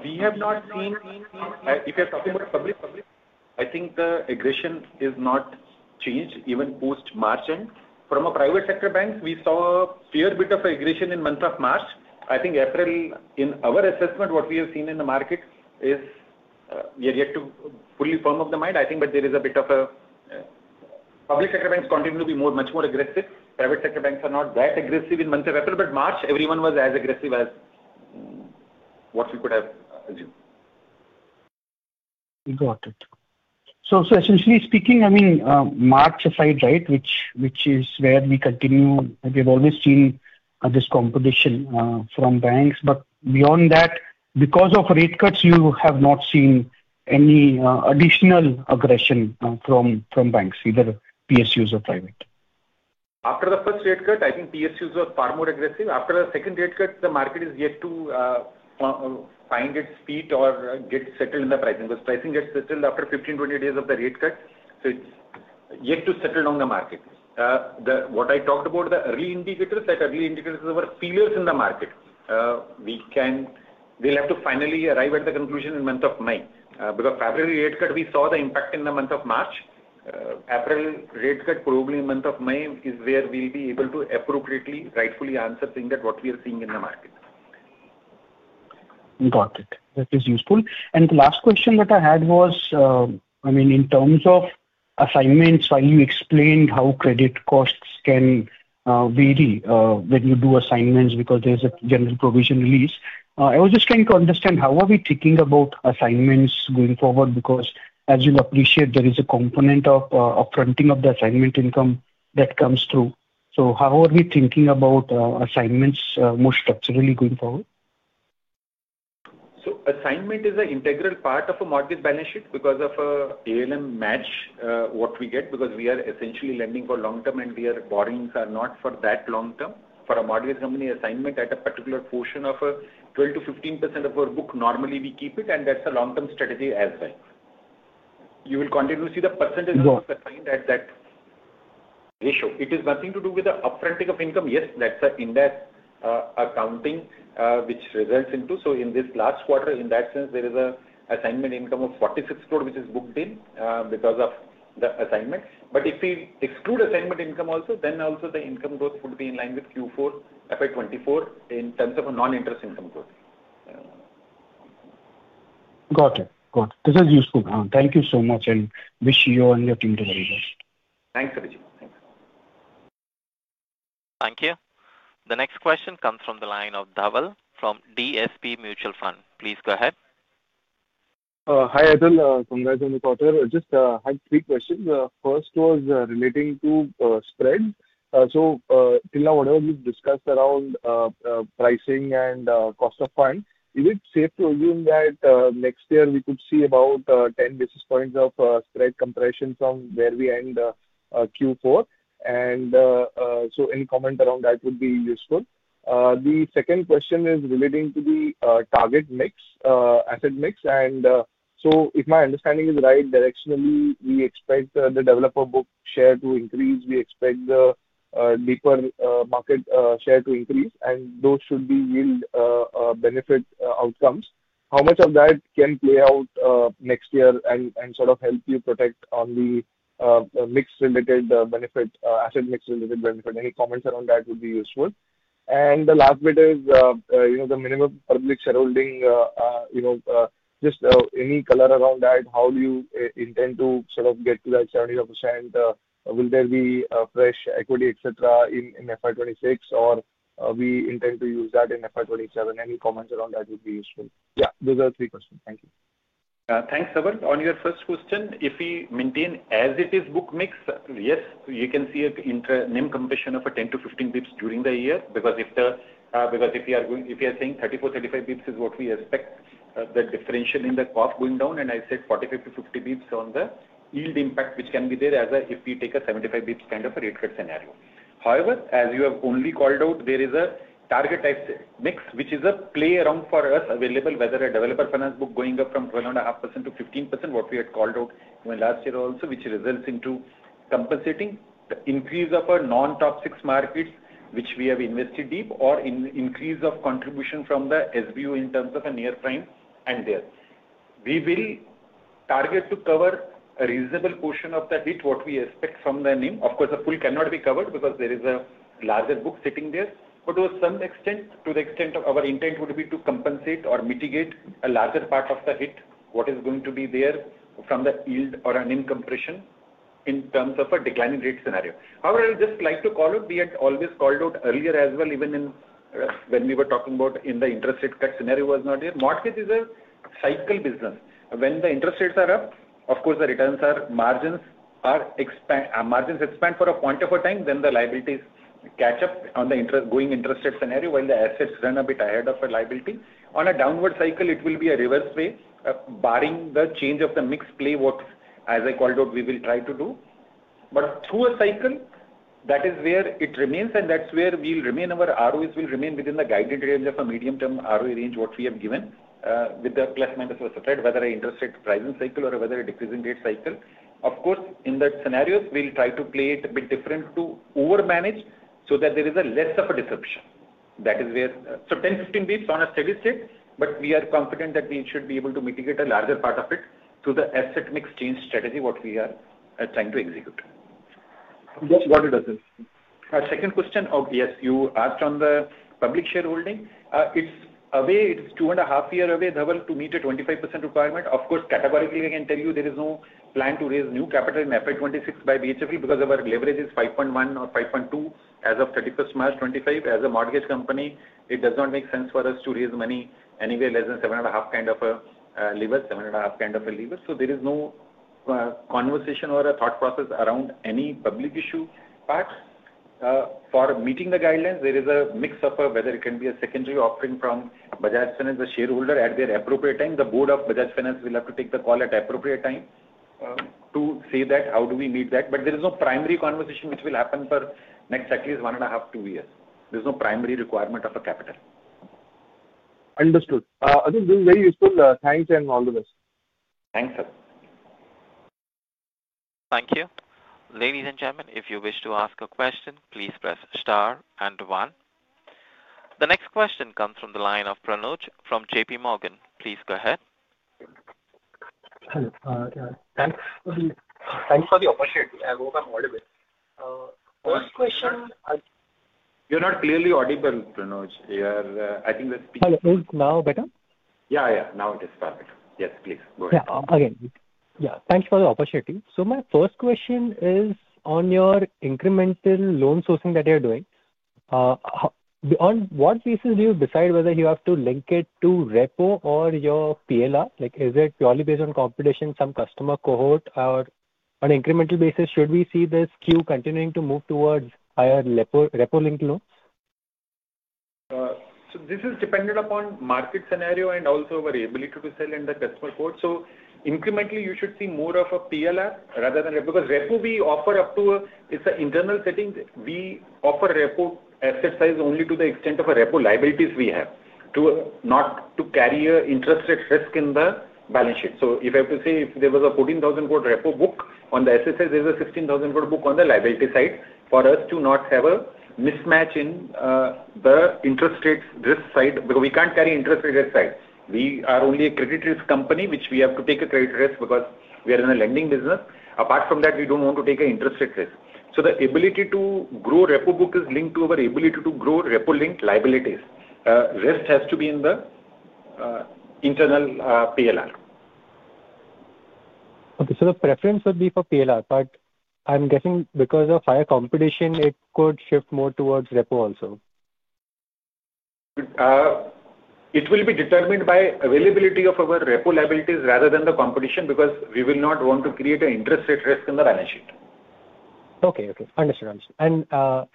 We have not seen. If you're talking about public, I think the aggression is not changed even post March end. From a private sector bank, we saw a fair bit of aggression in month of March. I think April in our assessment, what we have seen in the market is we are yet to fully firm up the mind I think but there is a bit of a public sector banks continue to be much more aggressive. Private sector banks are not that aggressive in months of April, but March, everyone was as aggressive as what we could have assumed. Got it. Essentially speaking, I mean March aside, right, which is where we continue. We've always seen this competition from banks, but beyond that, because of rate cuts, you have not seen any additional aggression from banks, either PSUs or private? After the first rate cut I think PSUs were far more aggressive. After the second rate cut, the market is yet to find its feet or get settled in the pricing because pricing gets settled after 15 days-20 days of the rate cut. It is yet to settle down the market. What I talked about, the early indicators, that early indicators were feelers in the market. We will have to finally arrive at the conclusion in the month of May, because February rate cut, we saw the impact in the month of March. April rate cut, probably month of May is where we will be able to appropriately, rightfully answer saying that what we are seeing in the market. Got it. That is useful. The last question that I had was, I mean, in terms of assignments. While you explained how credit costs can vary when you do assignments because there is a general provision release, I was just trying to understand how are we thinking about assignments going forward because, as you appreciate, there is a component of upfronting of the assignment income that comes through? How are we thinking about assignments more structurally going forward? Assignment is an integral part of a mortgage balance sheet because of an ALM match we get, because we are essentially lending for long term and our borrowings are not for that long term. For a mortgage company, assignment at a particular portion of 12%-15% of our book, normally we keep it, and that's a long-term strategy as well. You will continue to see the percentage of assigned at that ratio. It is nothing to do with the upfronting of income. Yes, that's an Ind AS accounting which results into, so in this last quarter, in that sense, there is assignment income of 46 crore which is booked in because of the assignment. If we exclude assignment income also, then also the income growth would be in line with Q4 FY 2024 in terms of non-interest income growth. Got it. This is useful. Thank you so much and wish you and your team the very best. Thanks Abhijit Thank you. The next question comes from the line of Dhaval from DSP Mutual Fund. Please go ahead. Hi Atul. Congrats on the quarter. Just had three questions. First was relating to spread. Till now whatever you discussed around pricing and cost of funds. Is it safe to assume that next year, we could see about 10 basis points of spread compression from where we end Q4, and any comment around that would be useful. The second question is relating to the target mix, asset mix. If my understanding is right, directionally we expect the developer book share to increase, we expect the deeper market share to increase, and those should yield benefit outcomes. How much of that can play out next year and sort of help you protect on the mix-related benefit, asset mix related-benefit? Any comments around that would be useful. The last bit is, you know, the minimum public shareholding, you know, just any color around that. How do you intend to sort of get to that 75%? Will there be a fresh equity, etc. in FY 2026 or we intend to use that in FY 2027? Any comments around that would be useful? Yeah those are three questions. Thank you. Thanks, Dhaval. On your first question, if we maintain as it is book mix, yes, you can see a NIM compression of 10 basis points-15 basis points during the year. Because if you are going, if you are saying 34 basis points-35 basis points is what we expect the differential in the cost going down, and I said 45 basis points-50 basis points on the yield impact which can be there if we take a 75 basis points kind of a rate cut scenario. However, as you have only called out, there is a target type mix which is a play around for us available, whether a Developer Finance book going up from 12.5% to 15%, what we had called out in last year also, which results into compensating the increase of our non-top six markets which we have invested deep, or increase of contribution from the SBU in terms of a Near Prime and there, we will target to cover a reasonable portion of that hit what we expect from the NIM. Of course, the pool cannot be covered because there is a larger book sitting there. To some extent, our intent would be to compensate or mitigate a larger part of the hit what is going to be there from the yield or a NIM compression in terms of a declining rate scenario. However, I would just like to call it. We had always called out earlier as well, even when we were talking about in the interest rate cut scenario was not here. Market is a cycle business. When the interest rates are up, of course the returns are, margins expand for a point of a time. Then the liabilities catch up on the going interest rate scenario. While the assets run a bit ahead of a liability, on a downward cycle it will be a reverse way. Barring the change of the mix play, what as I called out we will try to do, but through a cycle that is very where it remains and that's where we'll remain. Our ROE will remain within the guidance range of a medium term ROE range what we have given with the plus-minus whether a interest rate rising cycle or whether a decreasing rate cycle. Of course in that scenarios we'll try to play it a bit different to overmanage so that there is a less of a disruption. That is where so 10 basis points-15 basis points on a steady state. We are confident that we should be able to mitigate a larger part of it. The asset mix change strategy is what we are trying to execute. Second question. Yes, you asked on the public shareholding. It's two and a half years away, Dhaval, to meet a 25% requirement. Of course, categorically I can tell you there is no plan to raise new capital in FY 2026 basically because our leverage is 5.1 or 5.2 as of 31st March 2025. As a mortgage company it does not make sense for us to raise money anywhere less than seven and a half kind of a lever. Seven and a half kind of a lever. There is no conversation or a thought process around any public issue but for meeting the guidelines, there is a mixup of whether it can be a secondary offering from Bajaj Finance as a shareholder at their appropriate time. The Board of Bajaj Finance will have to take the call at appropriate time to say that how do we meet that. There is no primary conversation which will happen for next at least one and a half to two years. There's no primary requirement of a capital. Understood. I think this is very useful. Thanks and all the best. Thank you. Thank you. Ladies and gentlemen, if you wish to ask a question, please press star and 1. The next question comes from the line of Pranuj from JPMorgan. Please go ahead. Thanks for the opportunity. I hope I'm audible. First question. You're not clearly audible, Pranuj here. I think that now better. Yeah, yeah. Now it is perfect. Yes. Please go ahead again. Yeah. Thank you for the opportunity. My first question is on your incremental loan sourcing that you're doing. On what pieces do you decide whether you have to link it to repo or your PLR? Like, is it purely based on competition, some customer cohort, or on incremental basis, should we see this queue continuing to move towards higher repo-linked loans? This is dependent upon market scenario and also our ability to sell to the customer. Incrementally you should see more of a PLR rather than repo, because repo we offer up to, it's an internal setting. We offer repo asset size only to the extent of repo liabilities we have to not carry an interest rate risk in the balance sheet. If I have to say, if there was a 14,000 crore repo book on the asset side, there's a 16,000 crore book on the liability side. For us to not have a mismatch in the interest rate risk side, because we can't carry interest rate side. We are only a credit risk company, which we have to take a credit risk because we are in a lending business. Apart from that, we don't want to take an interest rate risk. The ability to grow repo book is linked to our ability to grow repo-linked liabilities. Rest has to be in the internal PLR. Okay. The preference would be for PLR. I'm guessing because of higher competition, it could shift more towards repo also? It will be determined by availability of our repo liabilities rather than the competition because we will not want to create an interest rate risk in the balance sheet. Okay, okay, understood. It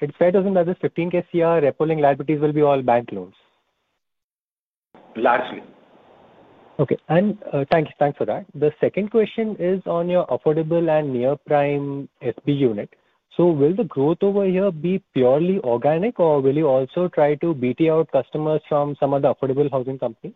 is fair to think that this 15k Cr repo-linked liabilities will be all bank loans? Largely. Okay. Thanks, thanks for that. The second question is on your Affordable and Near Prime SBU unit. Will the growth over here be purely organic or will you also try to BT out customers from some of the affordable housing companies?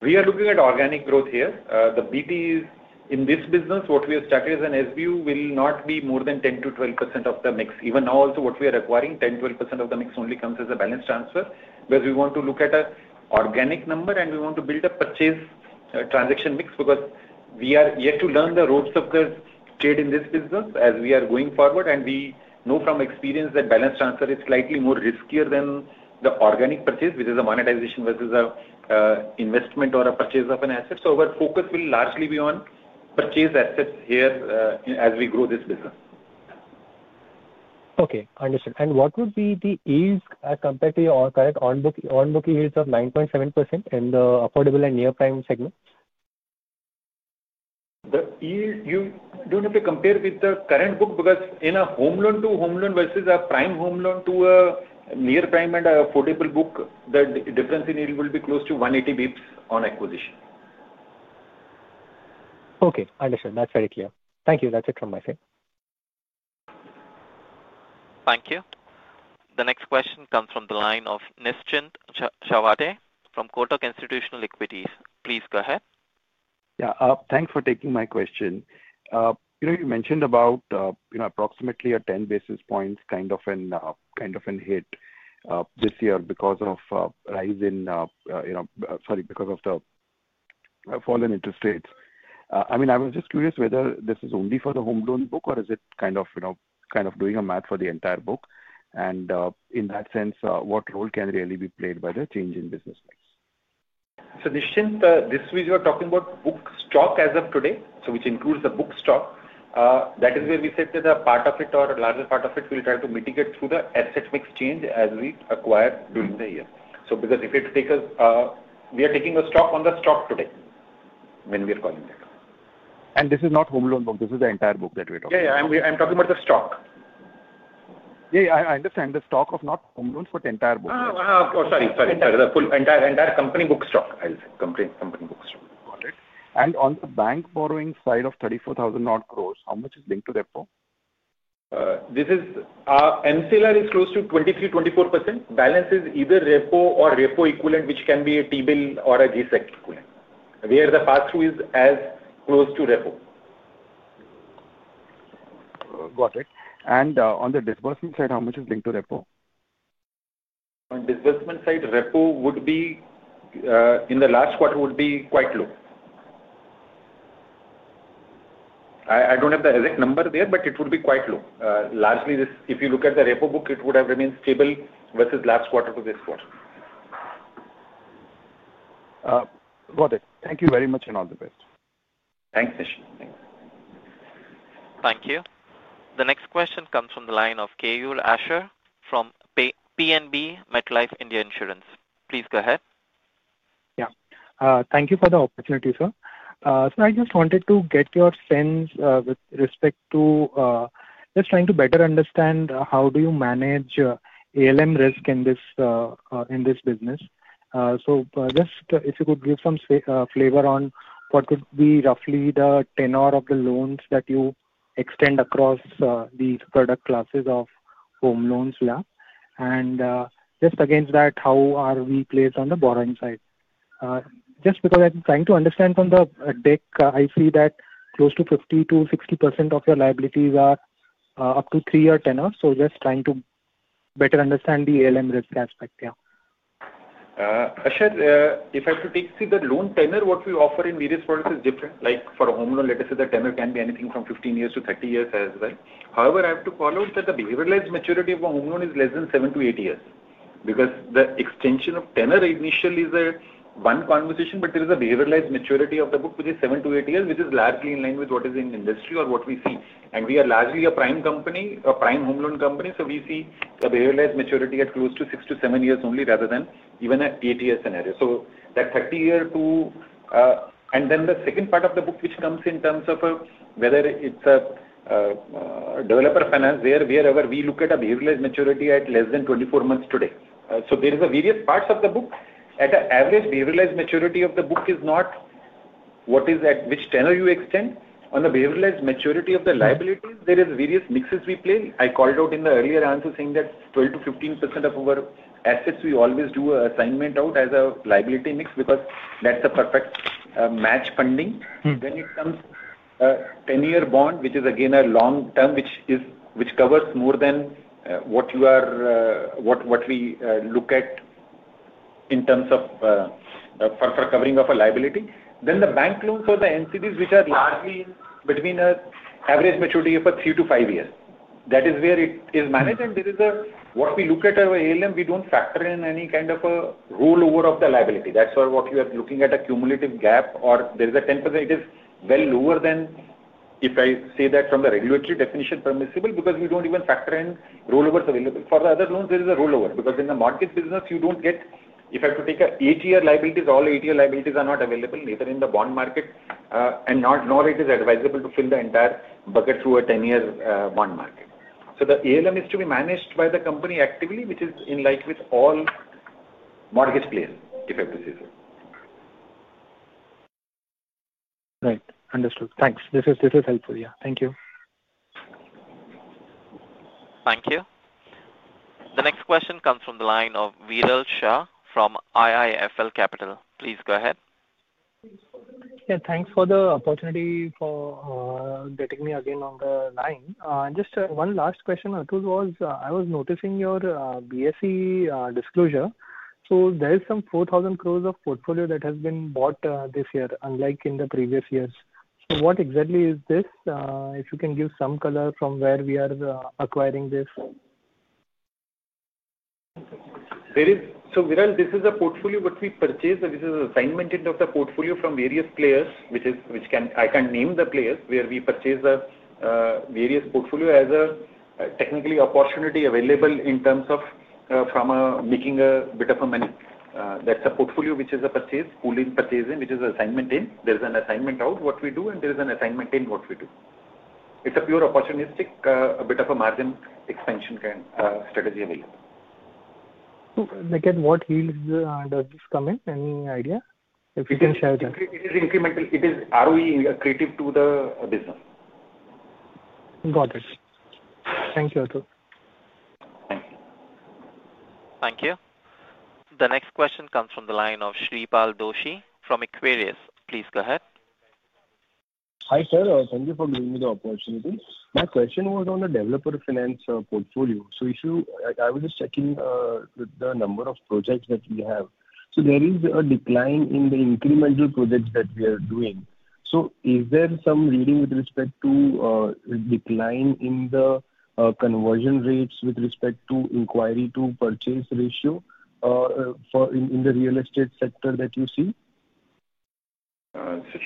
We are looking at organic growth here. The BT is in this business. What we have started is an SBU will not be more than 10%-12% of the mix. Even now also what we are acquiring 10%-12% of the mix only comes as a balance transfer because we want to look at an organic number and we want to build a purchase transaction mix. We are yet to learn the ropes of the trade in this business as we are going forward. We know from experience that balance transfer is slightly more riskier than the organic purchase which is a monetization versus investment or a purchase of an asset. Our focus will largely be on purchase assets here as we grow this business. Okay, understood. What would be the ease as compared to your correct on-book yields of 9.7% in the Affordable and Near Prime segments? The yield you do not have to compare with the current book because in a Home Loan to Home Loan versus a Prime Home Loan to a Near Prime and Affordable book, the difference in yield will be close to 180 basis points on acquisition. Okay, understood. That's very clear. Thank you. That's it from my side. Thank you. The next question comes from the line of Nischint Chawathe from Kotak Institutional Equities. Please go ahead. Yeah, thanks for taking my question. You know, you mentioned about approximately a 10 basis points kind of a hit this year because of the fallen interest rates. I mean, I was just curious whether this is only for the Home Loan book or is it kind of, you know, doing a math for the entire book. In that sense what role can really be played by the change in business? Nischint, this which you are talking about book stock as of today, which includes the book stock. That is where we said that a part of it or largest part of it, we'll try to mitigate through the asset mix change as we acquire during the year because we are taking a stock on the stock today when we are calling it. This is not home loan book. This is the entire book that we are talking? Yeah, I'm talking about the stock. Yeah, I understand. The stock of, not home loans but entire book? Sorry, the full entire, entire company book stock. Company book stock. And on the bank borrowing side of 34,000-odd crore, how much is linked to repo? This is MCLR, is close to 23%-24%. Balance is either repo or repo equivalent, which can be a T-bill or a G-sec where the pass-through is as close to repo. Got it. On the disbursement side, how much is linked to repo? On disbursement side, repo in the last quarter would be quite low. I do not have the exact number there, but it would be quite low. Largely if you look at the repo book, it would have remained stable versus last quarter to this quarter. Got it. Thank you very much and all the best. Thanks Nischint. Thank you. The next question comes from the line of Keyur Asher from PNB MetLife India Insurance. Please go ahead. Yeah, thank you for the opportunity, sir. I just wanted to get your sense with respect to just trying to better understand how do you manage ALM risk in this business. If you could give some flavor on what could be roughly the tenor of the loans that you extend across these product classes of home loans. Yeah. Just against that, how are we placed on the borrowing side? Just because I'm trying to understand from the deck. I see that close to 50%-60% of your liabilities are up to three-year tenor. Just trying to better understand the ALM risk aspect. Yeah. Asher, if I have to take see the loan tenor, what we offer in various products is different. Like for a home loan, let us say the tenor can be anything from 15 years-30 years as well. However, I have to call out that the behavioralized maturity of a home loan is less than seven to eight years because the extension of tenor initially is one conversation. There is a behavioralized maturity of the book which is seven to eight years which is largely in line with what is in industry or what we see. We are largely a prime company, a prime home loan company. We see a behavioralized maturity at close to six to seven years only rather than even at eight years scenario. That year two and then the second part of the book which comes in terms of whether it's a Developer Finance, wherever we look at a behavioralized maturity at less than 24 months today. There are various parts of the book. And the average behavioralized maturity of the book is not what is at which tenor you extend on the behavioralized maturity of the liabilities. There are various mixes we play. I called out in the earlier answer saying that 12%-15% of our assets we always do assignment out as a liability mix because that's a perfect match funding. Then it comes to 10-year bond, which is again a long term, which covers more than what we look at in terms of for covering of a liability. The bank loans or the NCDs which are largely between an average maturity for three to five years, that is where it is managed. There is a, what we look at our ALM, we do not factor in any kind of a rollover of the liability. That is why what you are looking at, a cumulative gap or there is a 10%, it is well lower than, if I say that from the regulatory definition permissible, because we do not even factor in rollovers available. For the other loans, there is a rollover because in the mortgage business you do not get, if I have to take eight-year liabilities, all eight-year liabilities are not available, neither in the bond market nor is it advisable to fill the entire bucket through a 10-year bond market. The ALM is to be managed by the company actively, which is in line with all mortgage players, if I have to say so. Right. Understood. Thanks. This is helpful. Yeah. Thank you. Thank you. The next question comes from the line of Viral Shah from IIFL Capital. Please go ahead. Yeah, thanks for the opportunity for getting me again on the line. Just one last question Atul, I was noticing your BSE disclosure. There is some 4,000 crore of portfolio that has been bought this year unlike in the previous years. What exactly is this? If you can give some color from where we are acquiring this. So Viral, this is a portfolio what we purchase. This is assignment end of the portfolio from various players, which is, which can, I can name the players where we purchase the various portfolio as a technically opportunity available in terms of from making a bit of a money. That's a portfolio which is a purchase, pooling, purchasing, which is assignment in. There is an assignment out what we do, and there is an assignment in what we do. It's a pure opportunistic, a bit of a margin expansion strategy available. Like what yields does this come in any idea? If you can share. it is incremental. It is ROE accretive to the business. Got it. Thank you, Atul. Thank you. Thank you. The next question comes from the line of Shreepal Doshi from Equirus. Please go ahead. Hi sir. Thank you for giving me the opportunity. My question was on the developer finance portfolio. I was just checking the number of projects that we have. There is a decline in the incremental projects that we are doing. So is there some reading with respect to decline in the conversion rates with respect to inquiry to purchase ratio in the real estate sector that you see?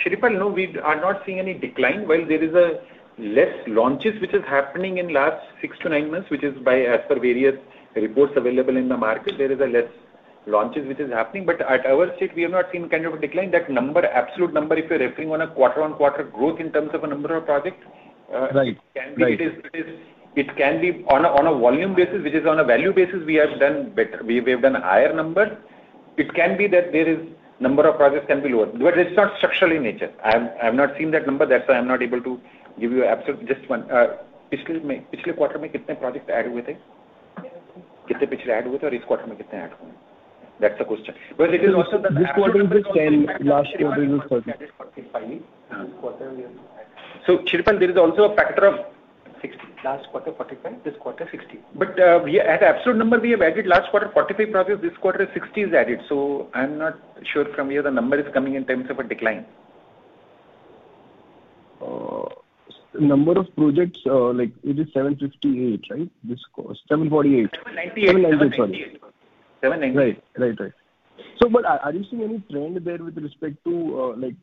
Shreepal, no, we are not seeing any decline. While there is less launches which is happening in last six to nine months, which is by as per various reports available in the market, there is less launches which is happening, but at our state we have not seen kind of a decline that number, absolute number. If you're referring on a quarter-on-quarter growth in terms of a number of projects. It can be on a volume basis, because on a value basis we have done better, we have done higher number. It can be that there is number of projects can be lower, but it's not structural in nature. I've not seen that number. That's why I'm not able to give you absolute, just one. Excuse me. You see the quarter make it seem projects are aggregating. If it is an aggregator, this quarter makes it an aggregate. That's the question. This quarter. See, there is also a factor Sixty. Last quarter, 45. This quarter, 60, But we had absolute number. We have added last quarter 45 projects. This quarter 60 is added. I'm not sure from where the number is coming in terms of a decline. Number of projects like it is 758, right? 798. Right, right, right. Are you seeing any trend there with respect to, like,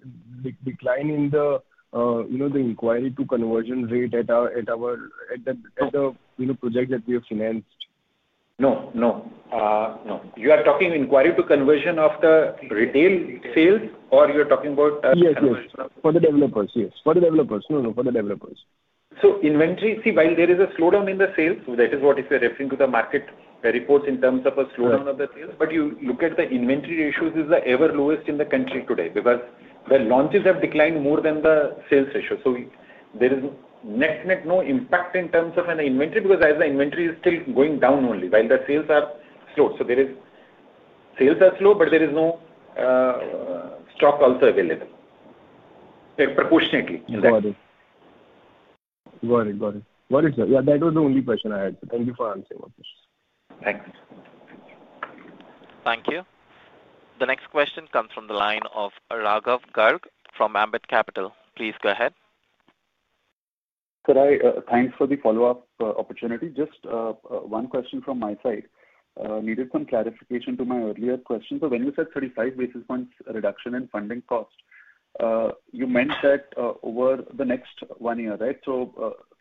decline in the, you know, the inquiry to conversion rate at our, at our project that we have financed? No, no, no. You are talking inquiry to conversion of the retail sales or you are talking about conversion of? Yes, for the developers. No, no, for the developers. Inventory, see, while there is a slowdown in the sales, if you are referring to the market reports in terms of a slowdown of the sales, but you look at the inventory ratios, it is the ever lowest in the country today because the launches have declined more than the sales ratio. There is net-net no impact in terms of inventory because the inventory is still going down only while the sales are slowed. Sales are slow, but there is no stock also available proportionately. Got it. Yeah, that was the only question I had. Thank you for answering. Thanks. Thank you. The next question comes from the line of Raghav Garg from Ambit Capital. Please go ahead. Thanks for the follow up opportunity. Just one question from my side, needed some clarification to my earlier question. When you said 35 basis points reduction in funding cost, you meant that over the next one year, right?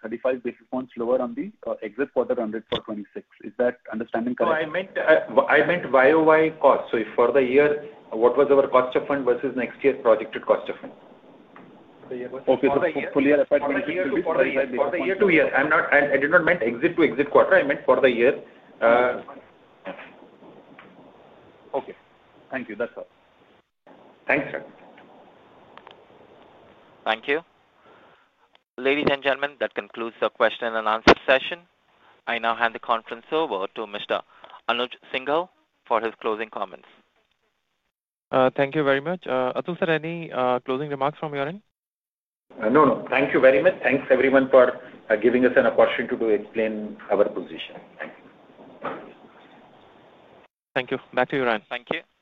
Thirty-five basis points lower on the exit for the run rate for 2026. Is that understanding correct? I meant YoY cost. For the year, what was our cost of fund versus next year projected cost of fund for the year to year? I did not mean exit to exit quarter. I meant for the year. Okay. Thank you. That's all. Thanks. Thank you. Ladies and gentlemen, that concludes the question and answer session. I now hand the conference over to Mr. Anuj Singla for his closing comments. Thank you very much. Atul sir, any closing remarks from your end? No, no. Thank you very much. Thanks, everyone, for giving us an opportunity to explain our position. Thank you. Back to you, Ryan. Thank you.